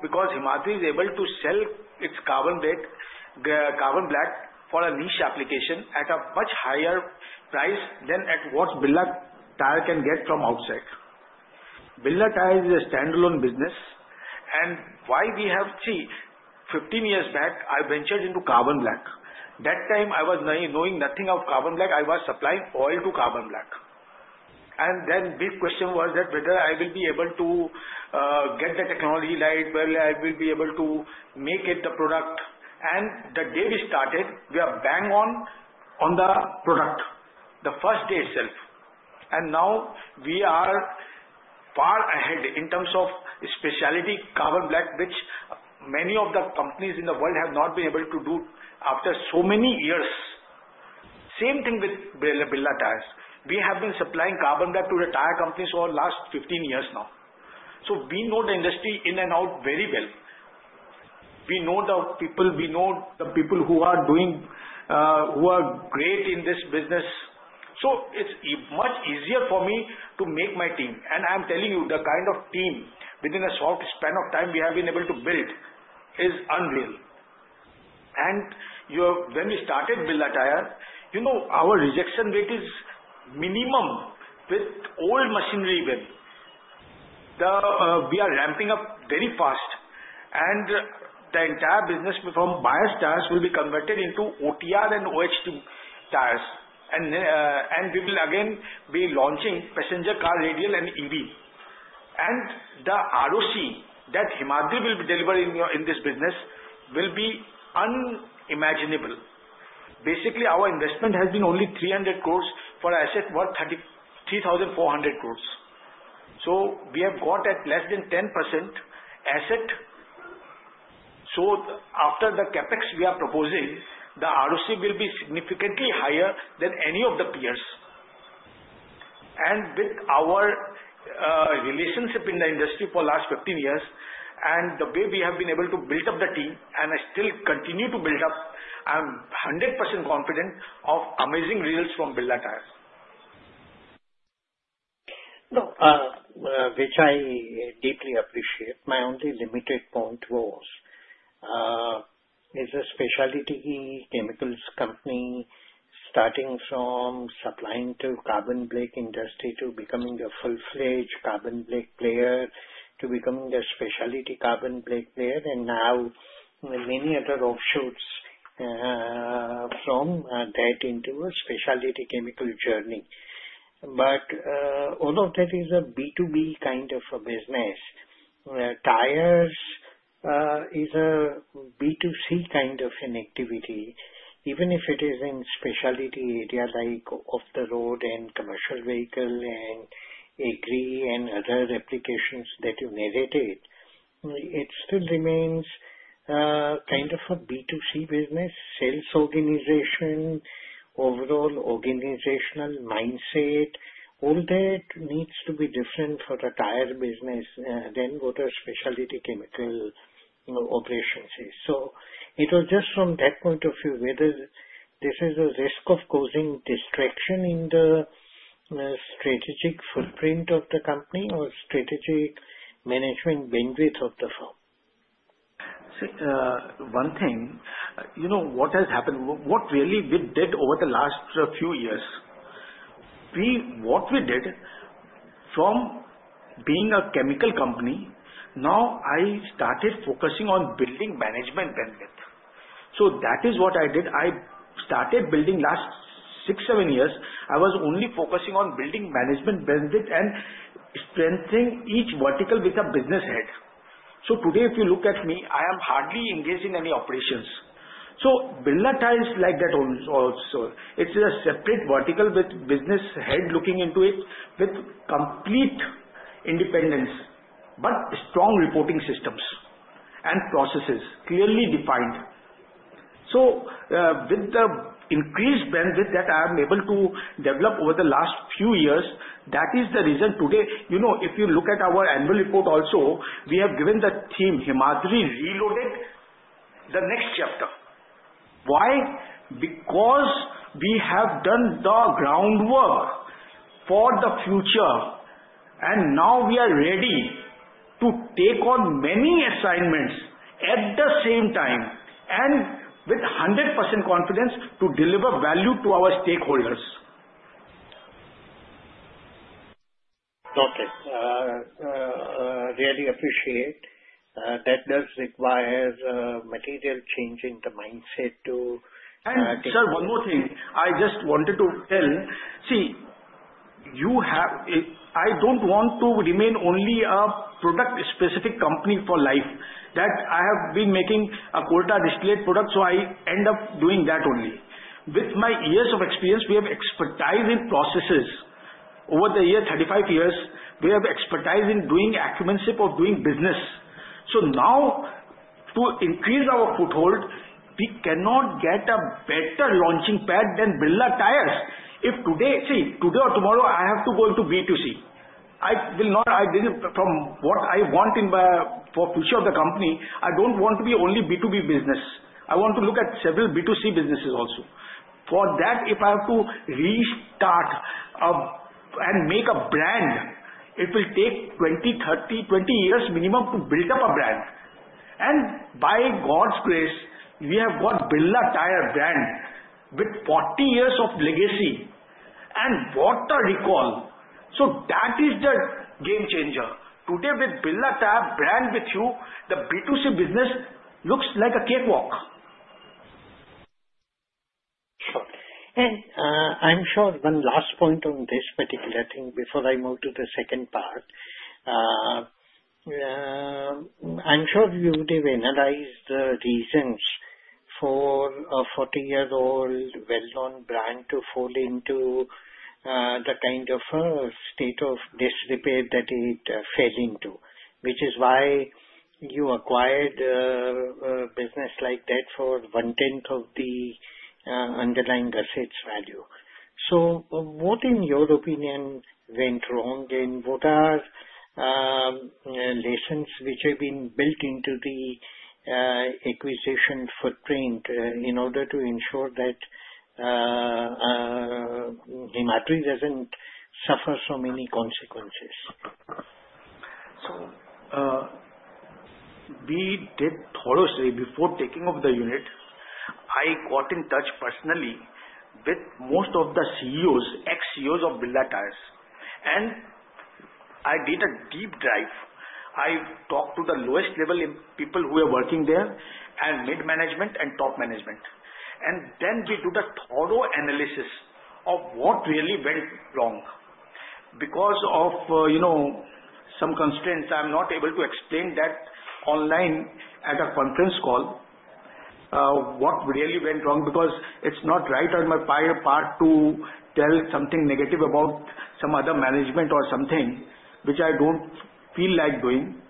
because Himadri is able to sell its carbon black for a niche application at a much higher price than what a tire can get from outside. Birla Tyres is a standalone business and why we have achieved. Fifteen years back I ventured into carbon black. That time I was knowing nothing of carbon black. I was supplying oil to carbon black and then the big question was whether I would be able to get the technology right, whether I would be able to make the product. The day we started, we were bang on the product the first day itself. Now we are far ahead in terms of specialty carbon black, which many of the companies in the world have not been able to do after so many years. Same thing with Birla Tyres. We have been supplying carbon black to the tire companies for the last fifteen years now. We know the industry in and out very well. We know the people, we know the people who are great in this business. It's much easier for me to make my team and I'm telling you the kind of team within a short span of time we have been able to build is unreal. When we started Birla Tyres, our rejection rate is minimum with old machinery. We are ramping up very fast and the entire business from bias tires will be converted into OTR and OH2 tires and we will again be launching passenger car radial and EV. The rock that Himadri will be delivering in this business will be unimaginable. Basically, our investment has been only 300 crores for assets worth 3,400 crores. We have got at less than 10% asset. After the CapEx we are proposing, the RoC will be significantly higher than any of the peers. With our relationship in the industry for the last fifteen years and the way we have been able to build up the team and I still continue to build up, I am 100% confident of amazing results from Birla Tyres. Which I deeply appreciate. My only limited point was, is a specialty chemicals company starting from supplying to carbon black industry to becoming a full-fledged carbon black player to becoming a specialty carbon player and now many other offshoots from that into a specialty chemical journey. All of that is a B2B kind of a business, where tires is a B2C kind of an activity. Even if it is in specialty area like off the road and commercial vehicle and agri and other applications that you narrated, it still remains kind of a B2C business sales organization, overall organizational mindset. All that needs to be different for a tire business than what are specialty chemical operations. It was just from that point of view whether this is a risk of causing distraction in the strategic footprint of the company or strategic management bandwidth of the firm. One thing you know what has happened, what really we did over the last few years, what we did from being a chemical company. Now I started focusing on building management bandwidth. That is what I did. I started building last six, seven years I was only focusing on building management bandwidth and strengthening each vertical with a business head. Today if you look at me, I am hardly engaged in any operations. Birla Tyres like that only also it's a separate vertical with business head looking into it with complete independence, but strong reporting systems and processes clearly defined. With the increased bandwidth that I am able to develop over the last few years, that is the reason today, you know, if you look at our annual report also, we have given the team Himadri rent the next chapter. Why? Because we have done the groundwork for the future and now we are ready to take on many assignments at the same time and with 100% confidence to deliver value to our stakeholders. Got it. Really appreciate that does require material change in the mindset too. Sir, one more thing I just wanted to tell you. I don't want to remain only a product-specific company for life, that I have been making a coal tar distillate product, so I end up doing that only. With my years of experience, we have expertise in processes. Over the years, 35 years, we have expertise in doing acumen ship of doing business. Now, to increase our foothold, we cannot get a better launching pad than Birla Tyres. If today or tomorrow I have to go into B2C, I will not, from what I want in my for future of the company, I don't want to be only B2B business. I want to look at several B2C businesses also. For that, if I have to restart and make a brand, it will take 20, 30, 20 years minimum to build up a brand. By God's grace, we have got Birla Tyres brand with 40 years of legacy and water recall. That is the game changer today. With Birla Tyres brand with you, the B2C business looks like a cakewalk. One last point on this particular thing before I move to the second part. I'm sure you would have analyzed the reasons for a 40-year-old well-known brand to fall into the kind of state of disrepair that it fell into, which is why you acquired a business like that for 1/10 of the underlying assets value. What in your opinion went wrong and what are lessons which have been built into the acquisition footprint in order to ensure that the matrix doesn't suffer so many consequences. We did thoroughly before taking of the unit. I got in touch personally with most of the CEOs, ex-CEOs of Birla Tyres, and I did a deep dive. I talked to the lowest level people who were working there, and mid management and top management. We did the thorough analysis of what really went wrong because of, you know, some constraints. I'm not able to explain that online at a conference call, what really went wrong, because it's not right on my part to tell something negative about some other management or something which I don't feel like doing.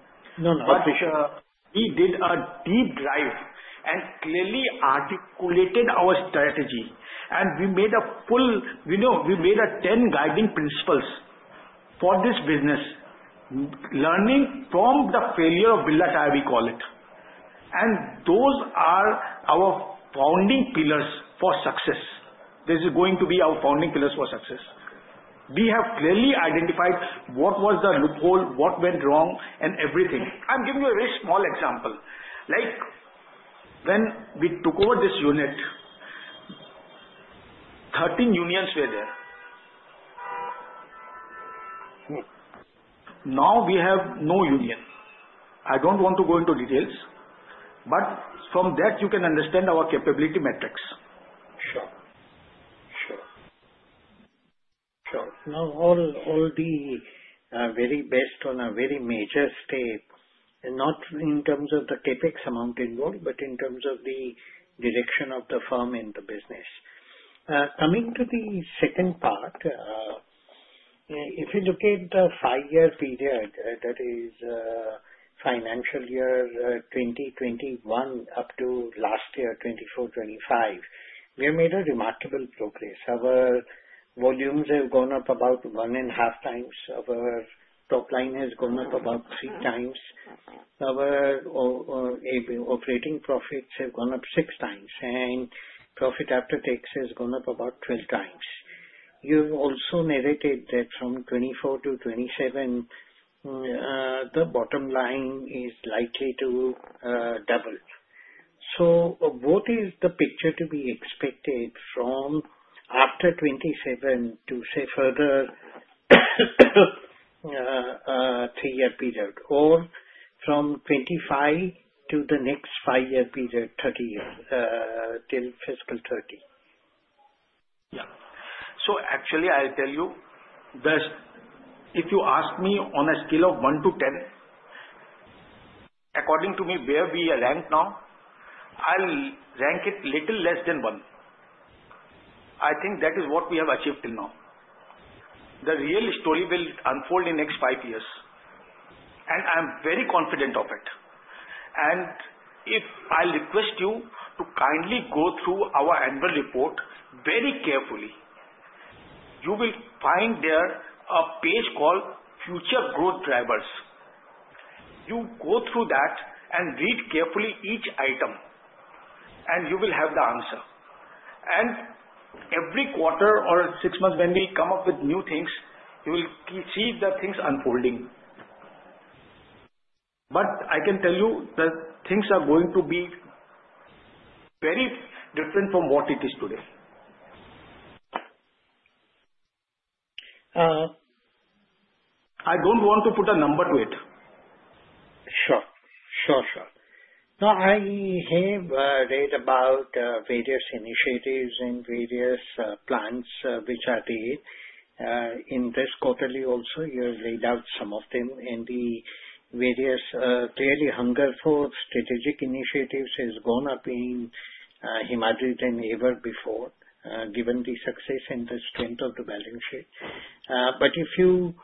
We did a deep drive and clearly articulated our strategy, and we made a full video. We made 10 guiding principles for this business, learning from the failure of Birla Tyres, we call it. Those are our founding pillars for success. This is going to be our founding pillars for success. We have clearly identified what was the loophole, what went wrong and everything. I'm giving you a very small example. Like when we took over this unit, 13 unions were there. Now we have no union. I don't want to go into details, but from that you can understand our capability matrix. Sure, sure. All the very best on a very major step, not in terms of the CapEx amount involved, but in terms of the direction of the firm in the business. Coming to the second part, if you look at the five-year period, that is financial year 2021 up to last year 2024, we have made remarkable progress. Our volumes have gone up about one and a half times, our top line has gone up about three times, our operating profits have gone up six times, and profit after tax has gone up about 12 times. You also narrated that from 2024 to 2027 the bottom line is likely to double. What is the picture to be expected from after 2027 to, say, a further three-year period or from 2025 to the next five-year period, till fiscal 2030? Yeah. I'll tell you this, if you ask me on a scale of 1 to 10, according to me where we are ranked now, I'll rank it a little less than 1. I think that is what we have achieved till now. The real story will unfold in the next five years and I am very confident of it. If I request you to kindly go through our annual report very carefully, you will find there a page called Future Growth Drivers. You go through that and read carefully each item and you will have the answer. Every quarter or six months when we come up with new things, you will see the things unfolding. I can tell you that things are going to be very different from what it is today. I don't want to put a number to it. Sure. Now I have read about various initiatives and various plans which are there in this quarterly. Also, you have laid out some of them in the various. Clearly, hunger for strategic initiatives has gone up in Himadri than ever before, given the success and the strength of the balance sheet. If you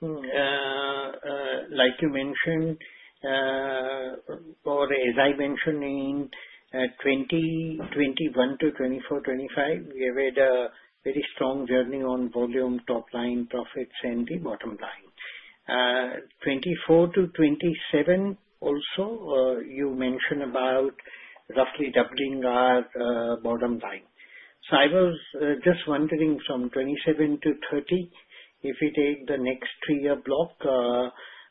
like you mentioned, or as I mentioned, in 2021-2024, 2025, we have had a very strong journey on volume, top line profits, and the bottom line. 2024 to 2027, also you mentioned about roughly doubling our bottom line. I was just wondering from 2027 to 2030, if we take the next three-year block,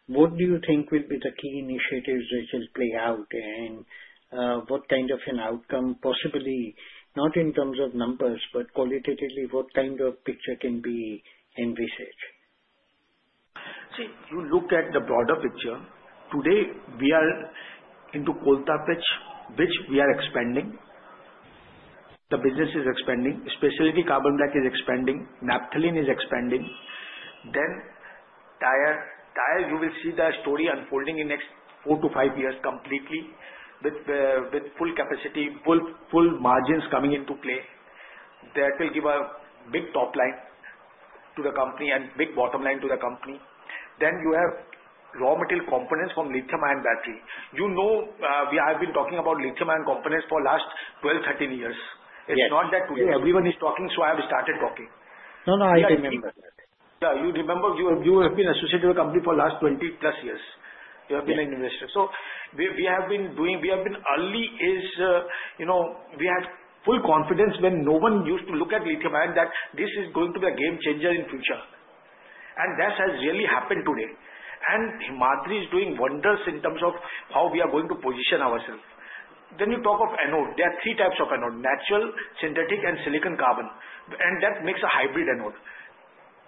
what do you think will be the key initiatives which will play out and what kind of an outcome? Possibly not in terms of numbers, but qualitatively, what kind of picture can be envisaged? See, you look at the broader picture. Today we are into coal tar pitch, which we are expanding. The business is expanding, specialty carbon black is expanding, naphthalene is expanding. Tire, you will see the story unfolding in the next four to five years completely with full capacity, full margins coming into play. That will give a big top line to the company and big bottom line to the company. You have raw material components from lithium ion battery. You know, we have been talking about lithium ion components for the last 12, 13 years. It's not that today everyone is talking, so I have started talking. No, no, I remember. Yeah, you remember. You have been associated with the company for the last 20 plus years. You have been an investor. We have been early. You know, we had full confidence when no one used to look at lithium ion that this is going to be a game changer in future. That has really happened today. Himadri is doing wonders in terms of how we are going to position ourselves. You talk of anode. There are three types of anode: natural, synthetic, and silicon carbon. That makes a hybrid anode.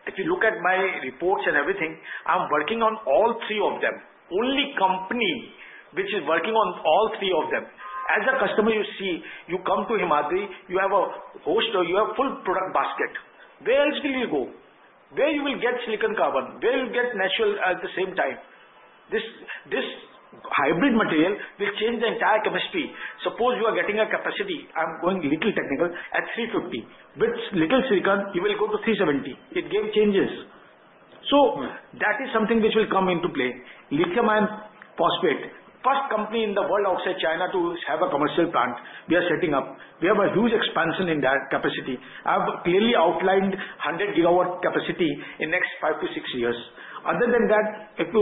If you look at my reports and everything, I am working on all three of them. Only company which is working on all three of them as a customer. You see, you come to Himadri, you have a host or you have full product basket. Where else will you go? Where you will get silicon carbon, where you get natural. At the same time, this hybrid material will change the entire chemistry. Suppose you are getting a capacity. I'm going little technical at 350, with little silicon you will go to 370, it gave changes. That is something which will come into play. Lithium iron phosphate. First company in the world outside China to have a commercial plant. We are setting up, we have a huge expansion in that capacity. I have clearly outlined 100 gigawatt capacity in next five to six years. Other than that, if you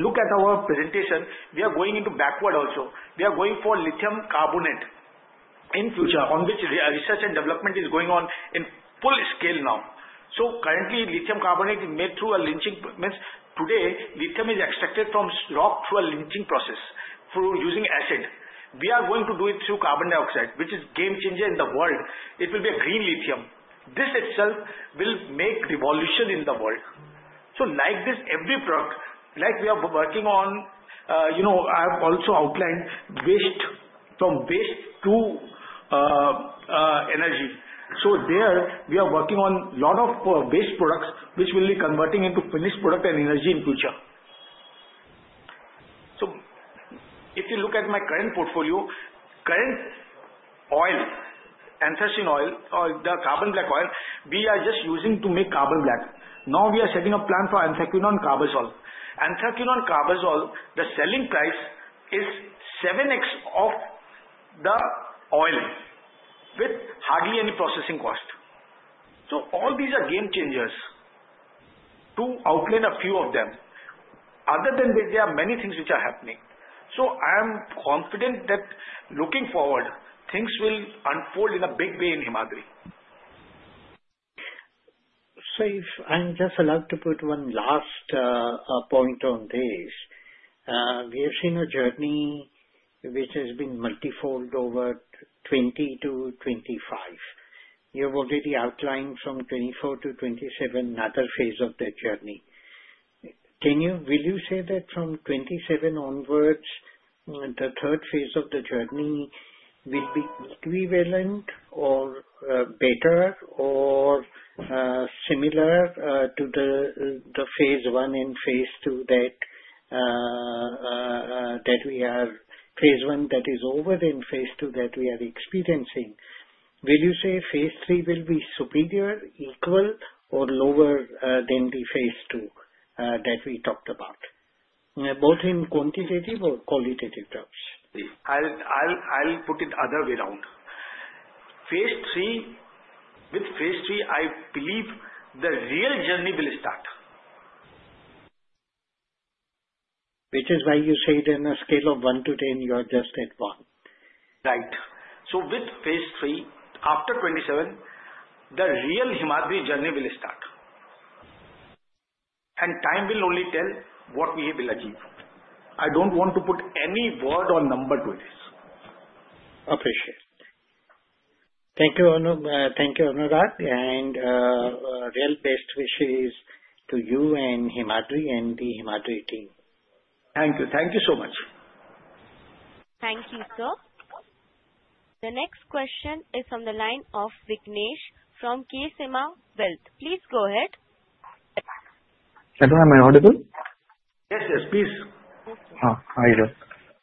look at our presentation, we are going into backward also, we are going for lithium carbonate influence on which research and development is going on in full scale now. Currently, lithium carbonate is made through a leaching means. Today, lithium is extracted from rock through a leaching process using acid. We are going to do it through carbon dioxide, which is game changer in the world. It will be a green lithium. This itself will make revolution in the world. Like this, every product like we are working on, you know, have also outlined waste from waste to energy. There we are working on lot of waste products which will be converting into finished product and energy in future. If you look at my current portfolio, current oil ancestry oil or the carbon black oil we are just using to make carbon black. Now we are setting a plan for encyclopedia on carbazole and 13 on carbazole. The selling price is 7x of the oil with hardly any processing cost. All these are game changers to outline a few of them. Other than that, there are many things which are happening. I am confident that looking forward, things will unfold in a big way in Himadri. If I just allowed to put one last point on this, we have seen a journey which has been multifold over 20 to 25. You have already outlined from 24 to 27 another phase of the journey. Can you. Will you say that from 2027 onwards the third phase of the journey will be equivalent or better or similar to the phase one and phase two? Phase one is over. In phase two that we are experiencing, will you say phase three will be superior, equal, or lower than the phase two that we talked about, both in quantitative or qualitative terms? Phase three. With phase three, I believe the real journey will start. Which is why you said on a scale of 1 to 10, you are just at 1, right? With phase three, after 2027, the real Himadri journey will start and time will only tell what we will achieve. I don't want to put any word or number to this. Appreciate. Thank you. Thank you Anurag and real best wishes to you and Himadri and the Himadri team. Thank you. Thank you so much. Thank you, sir. The next question is on the line of Vignesh from K Sima Wealth. Please go ahead. Am I audible? Yes, yes, please. Hi,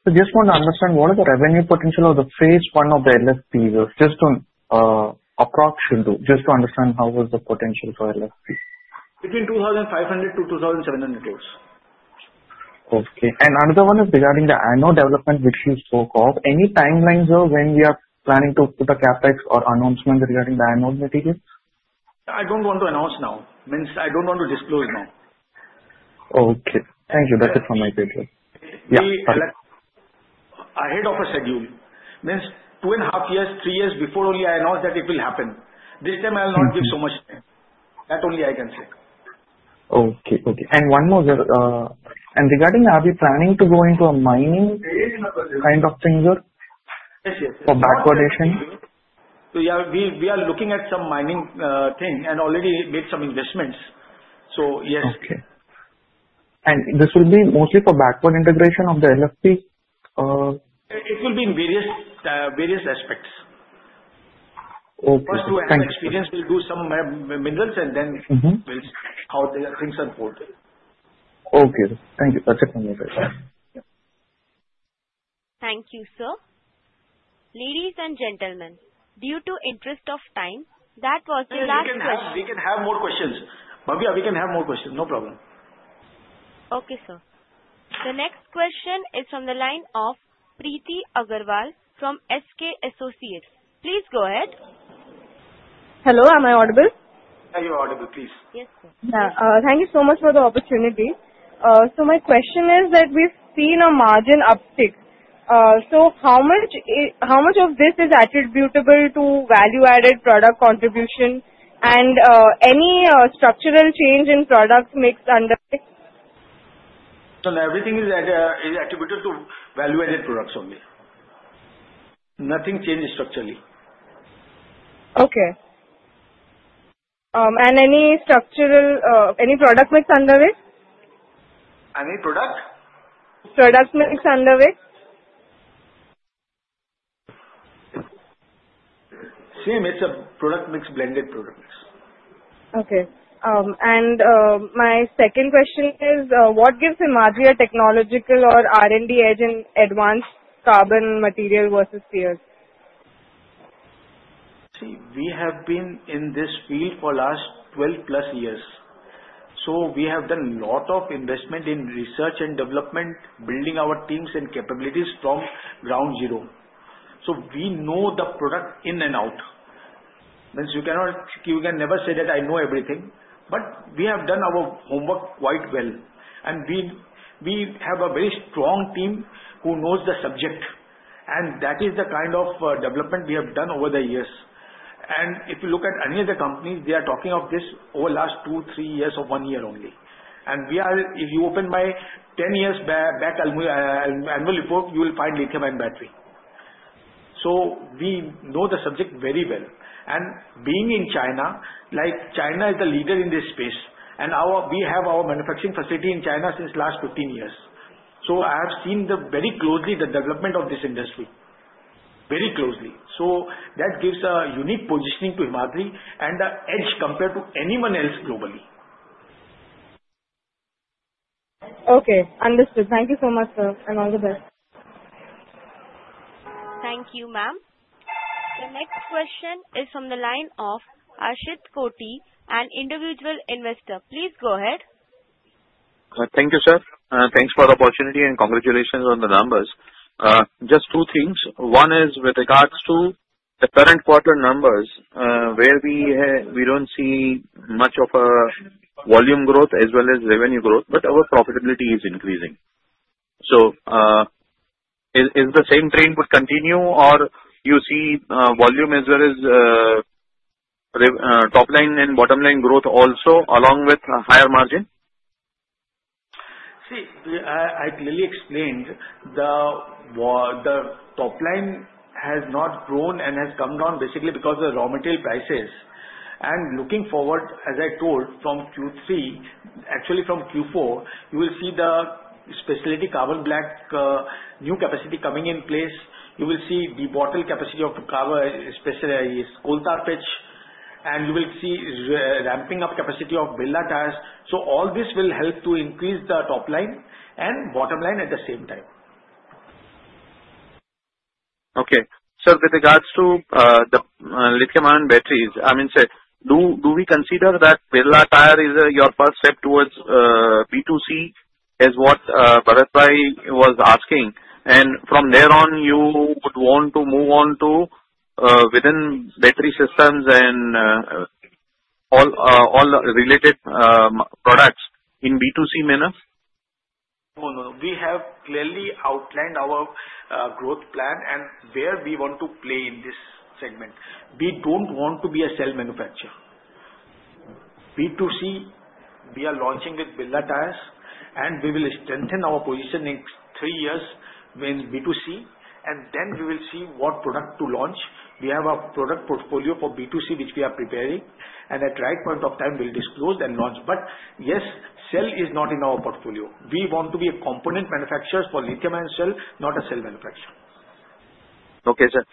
I just want to understand what. Is the revenue potential of the phase? One of the LFP, just on approx., just to understand how was the potential. lithium iron phosphate between 2,500-2,700 years. Okay. Another one is regarding the anode. Development which you spoke of. Any timelines or when we are planning to put a CapEx or announcement regarding the materials? I don't want to announce now, means I don't want to disclose now. Okay, thank you. That's it for my paper. Ahead of a schedule means two and a half years, three years before only I announced that it will happen. This time I'll not give so much. That only I can say. Okay. Okay. One more regarding are we. planning to go into a mining kind of thing? We are looking at some mining thing and already made some investments. Yes. Okay. This will be mostly for backward integration. Integration of the LFP. It will be in various aspects. Experience will do some minerals and then we'll see how the things are hold. Okay, thank you. Thank you, sir. Ladies and gentlemen, due to interest of time, that was the last question. We can have more questions. Bhavya, we can have more questions, no problem. Okay sir, the next question is from the line of Preeti Agarwal from SK Associates. Please go ahead. Hello. Am I audible? Are you audible? Please. Thank you so much for the opportunity. My question is that we've seen a margin uptick. How much of this is attributable to value-added product contribution? Is there any structural change in product mix under consideration? Everything is attributed to value-added products only. Nothing changes structurally. Okay. there any structural, any product mix under consideration? It's a product mix, blended products. Okay. My second question is what gives Himadri a technological or R&D edge in advanced carbon material versus peers? We have been in this field for the last 12 plus years. We have done a lot of investment in research and development, building our teams and capabilities from ground zero. We know the product in and out. You can never say that you know everything, but we have done our homework quite well. We have a very strong team who knows the subject, and that is the kind of development we have done over the years. If you look at any other companies, they are talking of this over the last two, three years or one year only. If you open my 10 years back annual report, you will find lithium ion battery. We know the subject very well, and being in China, like China is the leader in this space, and we have our manufacturing facility in China since the last 15 years. I have seen very closely the development of this industry, very closely. That gives a unique positioning to Himadri and the edge compared to anyone else globally. Okay, understood. Thank you so much, sir, and all the best. Thank you, ma'am. The next question is from the line of Ashit Koti, an individual investor. Please go ahead. Thank you, sir. Thanks for the opportunity, and congratulations on the numbers. Just two things. One is with regards to the current quarter numbers where we don't see much of a volume growth as well as revenue growth. Our profitability is increasing. Is the same trend would continue, or you see volume as well as. Top line and bottom line growth also along with a higher margin. See, I clearly explained the top line has not grown and has come down basically because of raw material prices. Looking forward, as I told from Q3, actually from Q4 you will see the specialty carbon black new capacity coming in place. You will see the bottleneck capacity of Himadri Speciality Chemical Limited coal tar pitch and you will see ramping up capacity of Birla Tyres. All this will help to increase the top line and bottom line at the same time. Okay, with regards to the lithium ion batteries, I mean do we. Consider that Birla Tyres is your first. Step towards B2C is what Bharat Rai was asking. From there on you would want. To move on to within battery systems and all related products in B2C manner. We have clearly outlined our growth plan and where we want to play in this segment. We don't want to be a cell manufacturer. B2C we are launching with Birla Tyres and we will strengthen our position next three years means B2C and then we will see what product to launch. We have a product portfolio for B2C which we are preparing and at the right point of time we'll disclose and launch. Yes, cell is not in our portfolio. We want to be a component manufacturer for lithium ion cell, not a cell manufacturer. Okay, sir.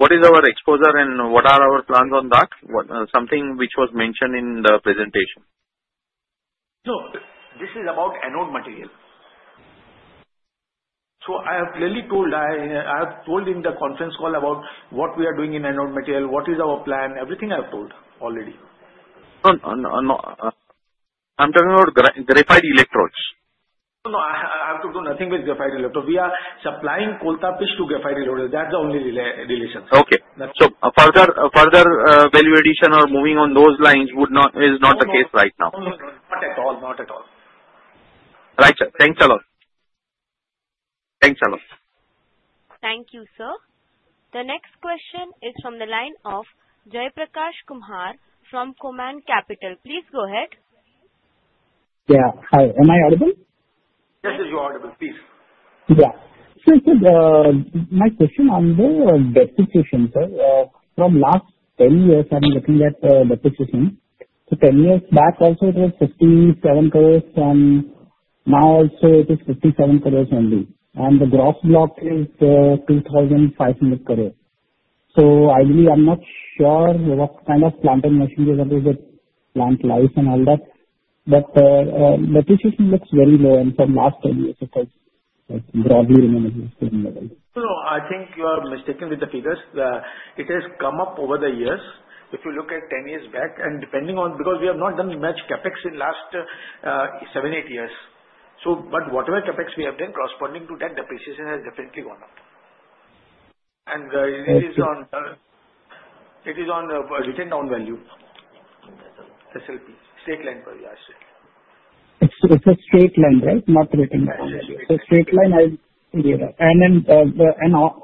What is our exposure to graphite? What are our plans on that? Something which was mentioned in the presentation. This is about anode material. I have told in the conference call about what we are doing in anode material. What is our plan? Everything I've told already. I'm talking about graphite electrodes. No, I have to do nothing with graphite. We are supplying coal tar pitch to graphite loader. That's the only relation. Okay, so further value addition or moving on those lines is not the case right now. Not at all. Not at all. Right, thanks a lot. Thanks a lot. Thank you. Sir, the next question is from the line of Jay Prakash Kumhar from Command Capital. Please go ahead. Yeah, hi, am I audible? Yes, you're audible, please. Yeah. My question on the depreciation, sir, from the last 10 years, I'm looking at depreciation. Ten years back also it was 57 crore and now also it is 57 crore only, and the gross block is 2,500 crore. Ideally, I'm not sure what kind of plant and machinery level with plant life and all that, but depreciation looks very low and for the last 10 years it has broadly remained. No, I think you are mistaken with the figures. It has come up over the years. If you look at 10 years back and depending on, because we have not done much CapEx in the last seven, eight years. So. Whatever CapEx we have done, corresponding to that, depreciation has definitely gone up. It is on written down value, straight line. It's a straight line, right? Not written down straight line.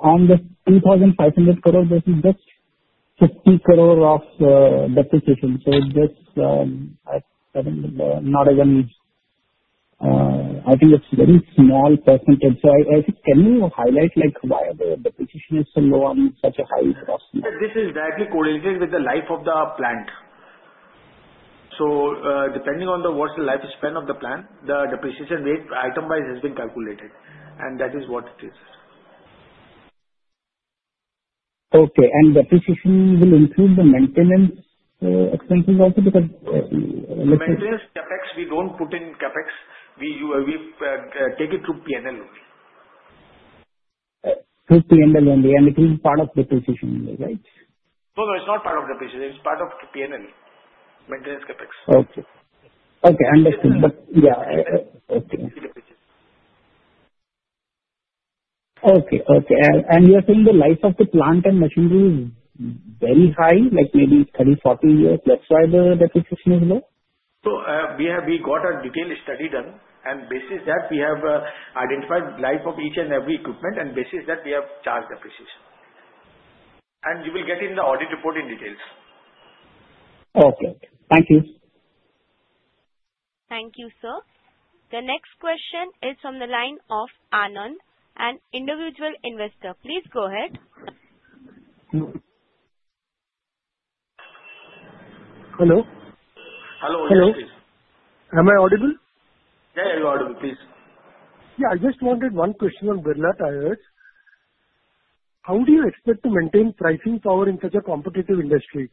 On the 2,500 crore, this is just 50 crore of depreciation. This. Not even. I think it's a very small %. I think can you highlight why the depreciation is so low on such a high cost. This is directly correlated with the life of the plant. Depending on what's the lifespan of the plant, the depreciation rate item wise has been calculated and that is what it is. Depreciation will include the maintenance expenses. Also, because CapEx, we don't put in CapEx, we take it through P&L only. Through PNDL only. It is part of depreciation, right? No, no, it's not part of depreciation. It's part of PCE maintenance CapEx. Okay, understood. You are saying the life of the plant and machinery is very high, like maybe 30, 40 years. That's why the depreciation is low. We got a detailed study done and basis that we have identified life of each and every equipment, and basis that we have charged the precision. You will get in the audit report in details. Okay, thank you. Thank you. Sir, the next question is from the line of Anand, an individual investor. Please go ahead. Hello. Hello. Am I audible? Yeah, you are audible, please. Yeah, I just wanted one question on Birla Tyres. How do you expect to maintain pricing power in such a competitive industry?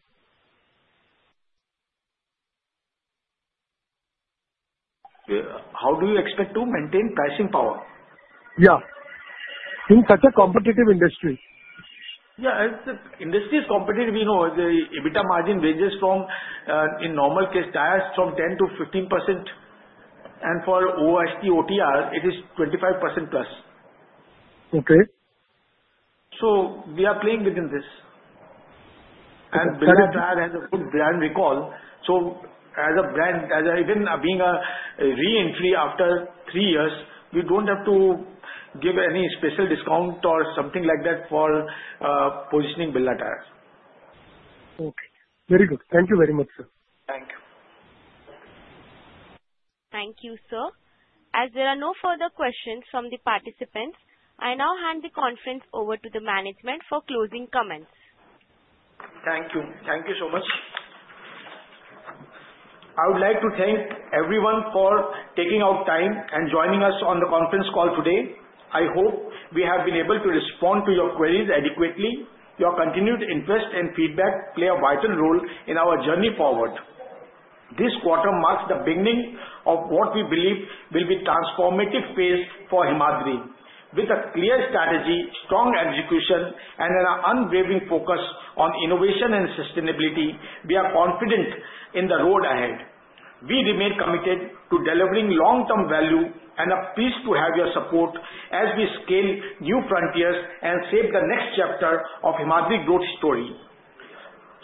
Yeah, industry is competitive. You know, the EBITDA margin ranges from in normal case tires from 10% to 15% and for OTR it is 25% plus. We are playing within this and Birla Tyres has a good brand recall. As a brand, even being a re-entry after three years, we don't have to give any special discount or something like that for positioning Birla Tyres. Okay, very good. Thank you very much, sir. Thank you. Thank you, sir. As there are no further questions from the participants, I now hand the conference over to the management for closing comments. Thank you. Thank you so much. I would like to thank everyone for taking out time and joining us on the conference call today. I hope we have been able to respond to your queries adequately. Your continued interest and feedback play a vital role in our journey forward. This quarter marks the beginning of what we believe will be a transformative phase for Himadri. With a clear strategy, strong execution, and an unwavering focus on innovation and sustainability, we are confident in the road ahead. We remain committed to delivering long-term value and are pleased to have your support as we scale new frontiers and shape the next chapter of Himadri growth story.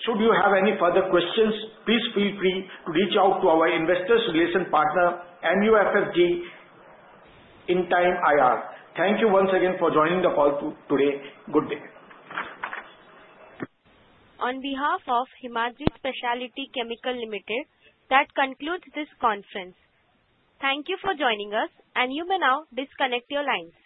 Should you have any further questions, please feel free to reach out to our investor relations partner MUFG Intime IR. Thank you once again for joining the call today. Good day. On behalf of Himadri Speciality Chemical Limited, that concludes this conference. Thank you for joining us and you may now disconnect your lines.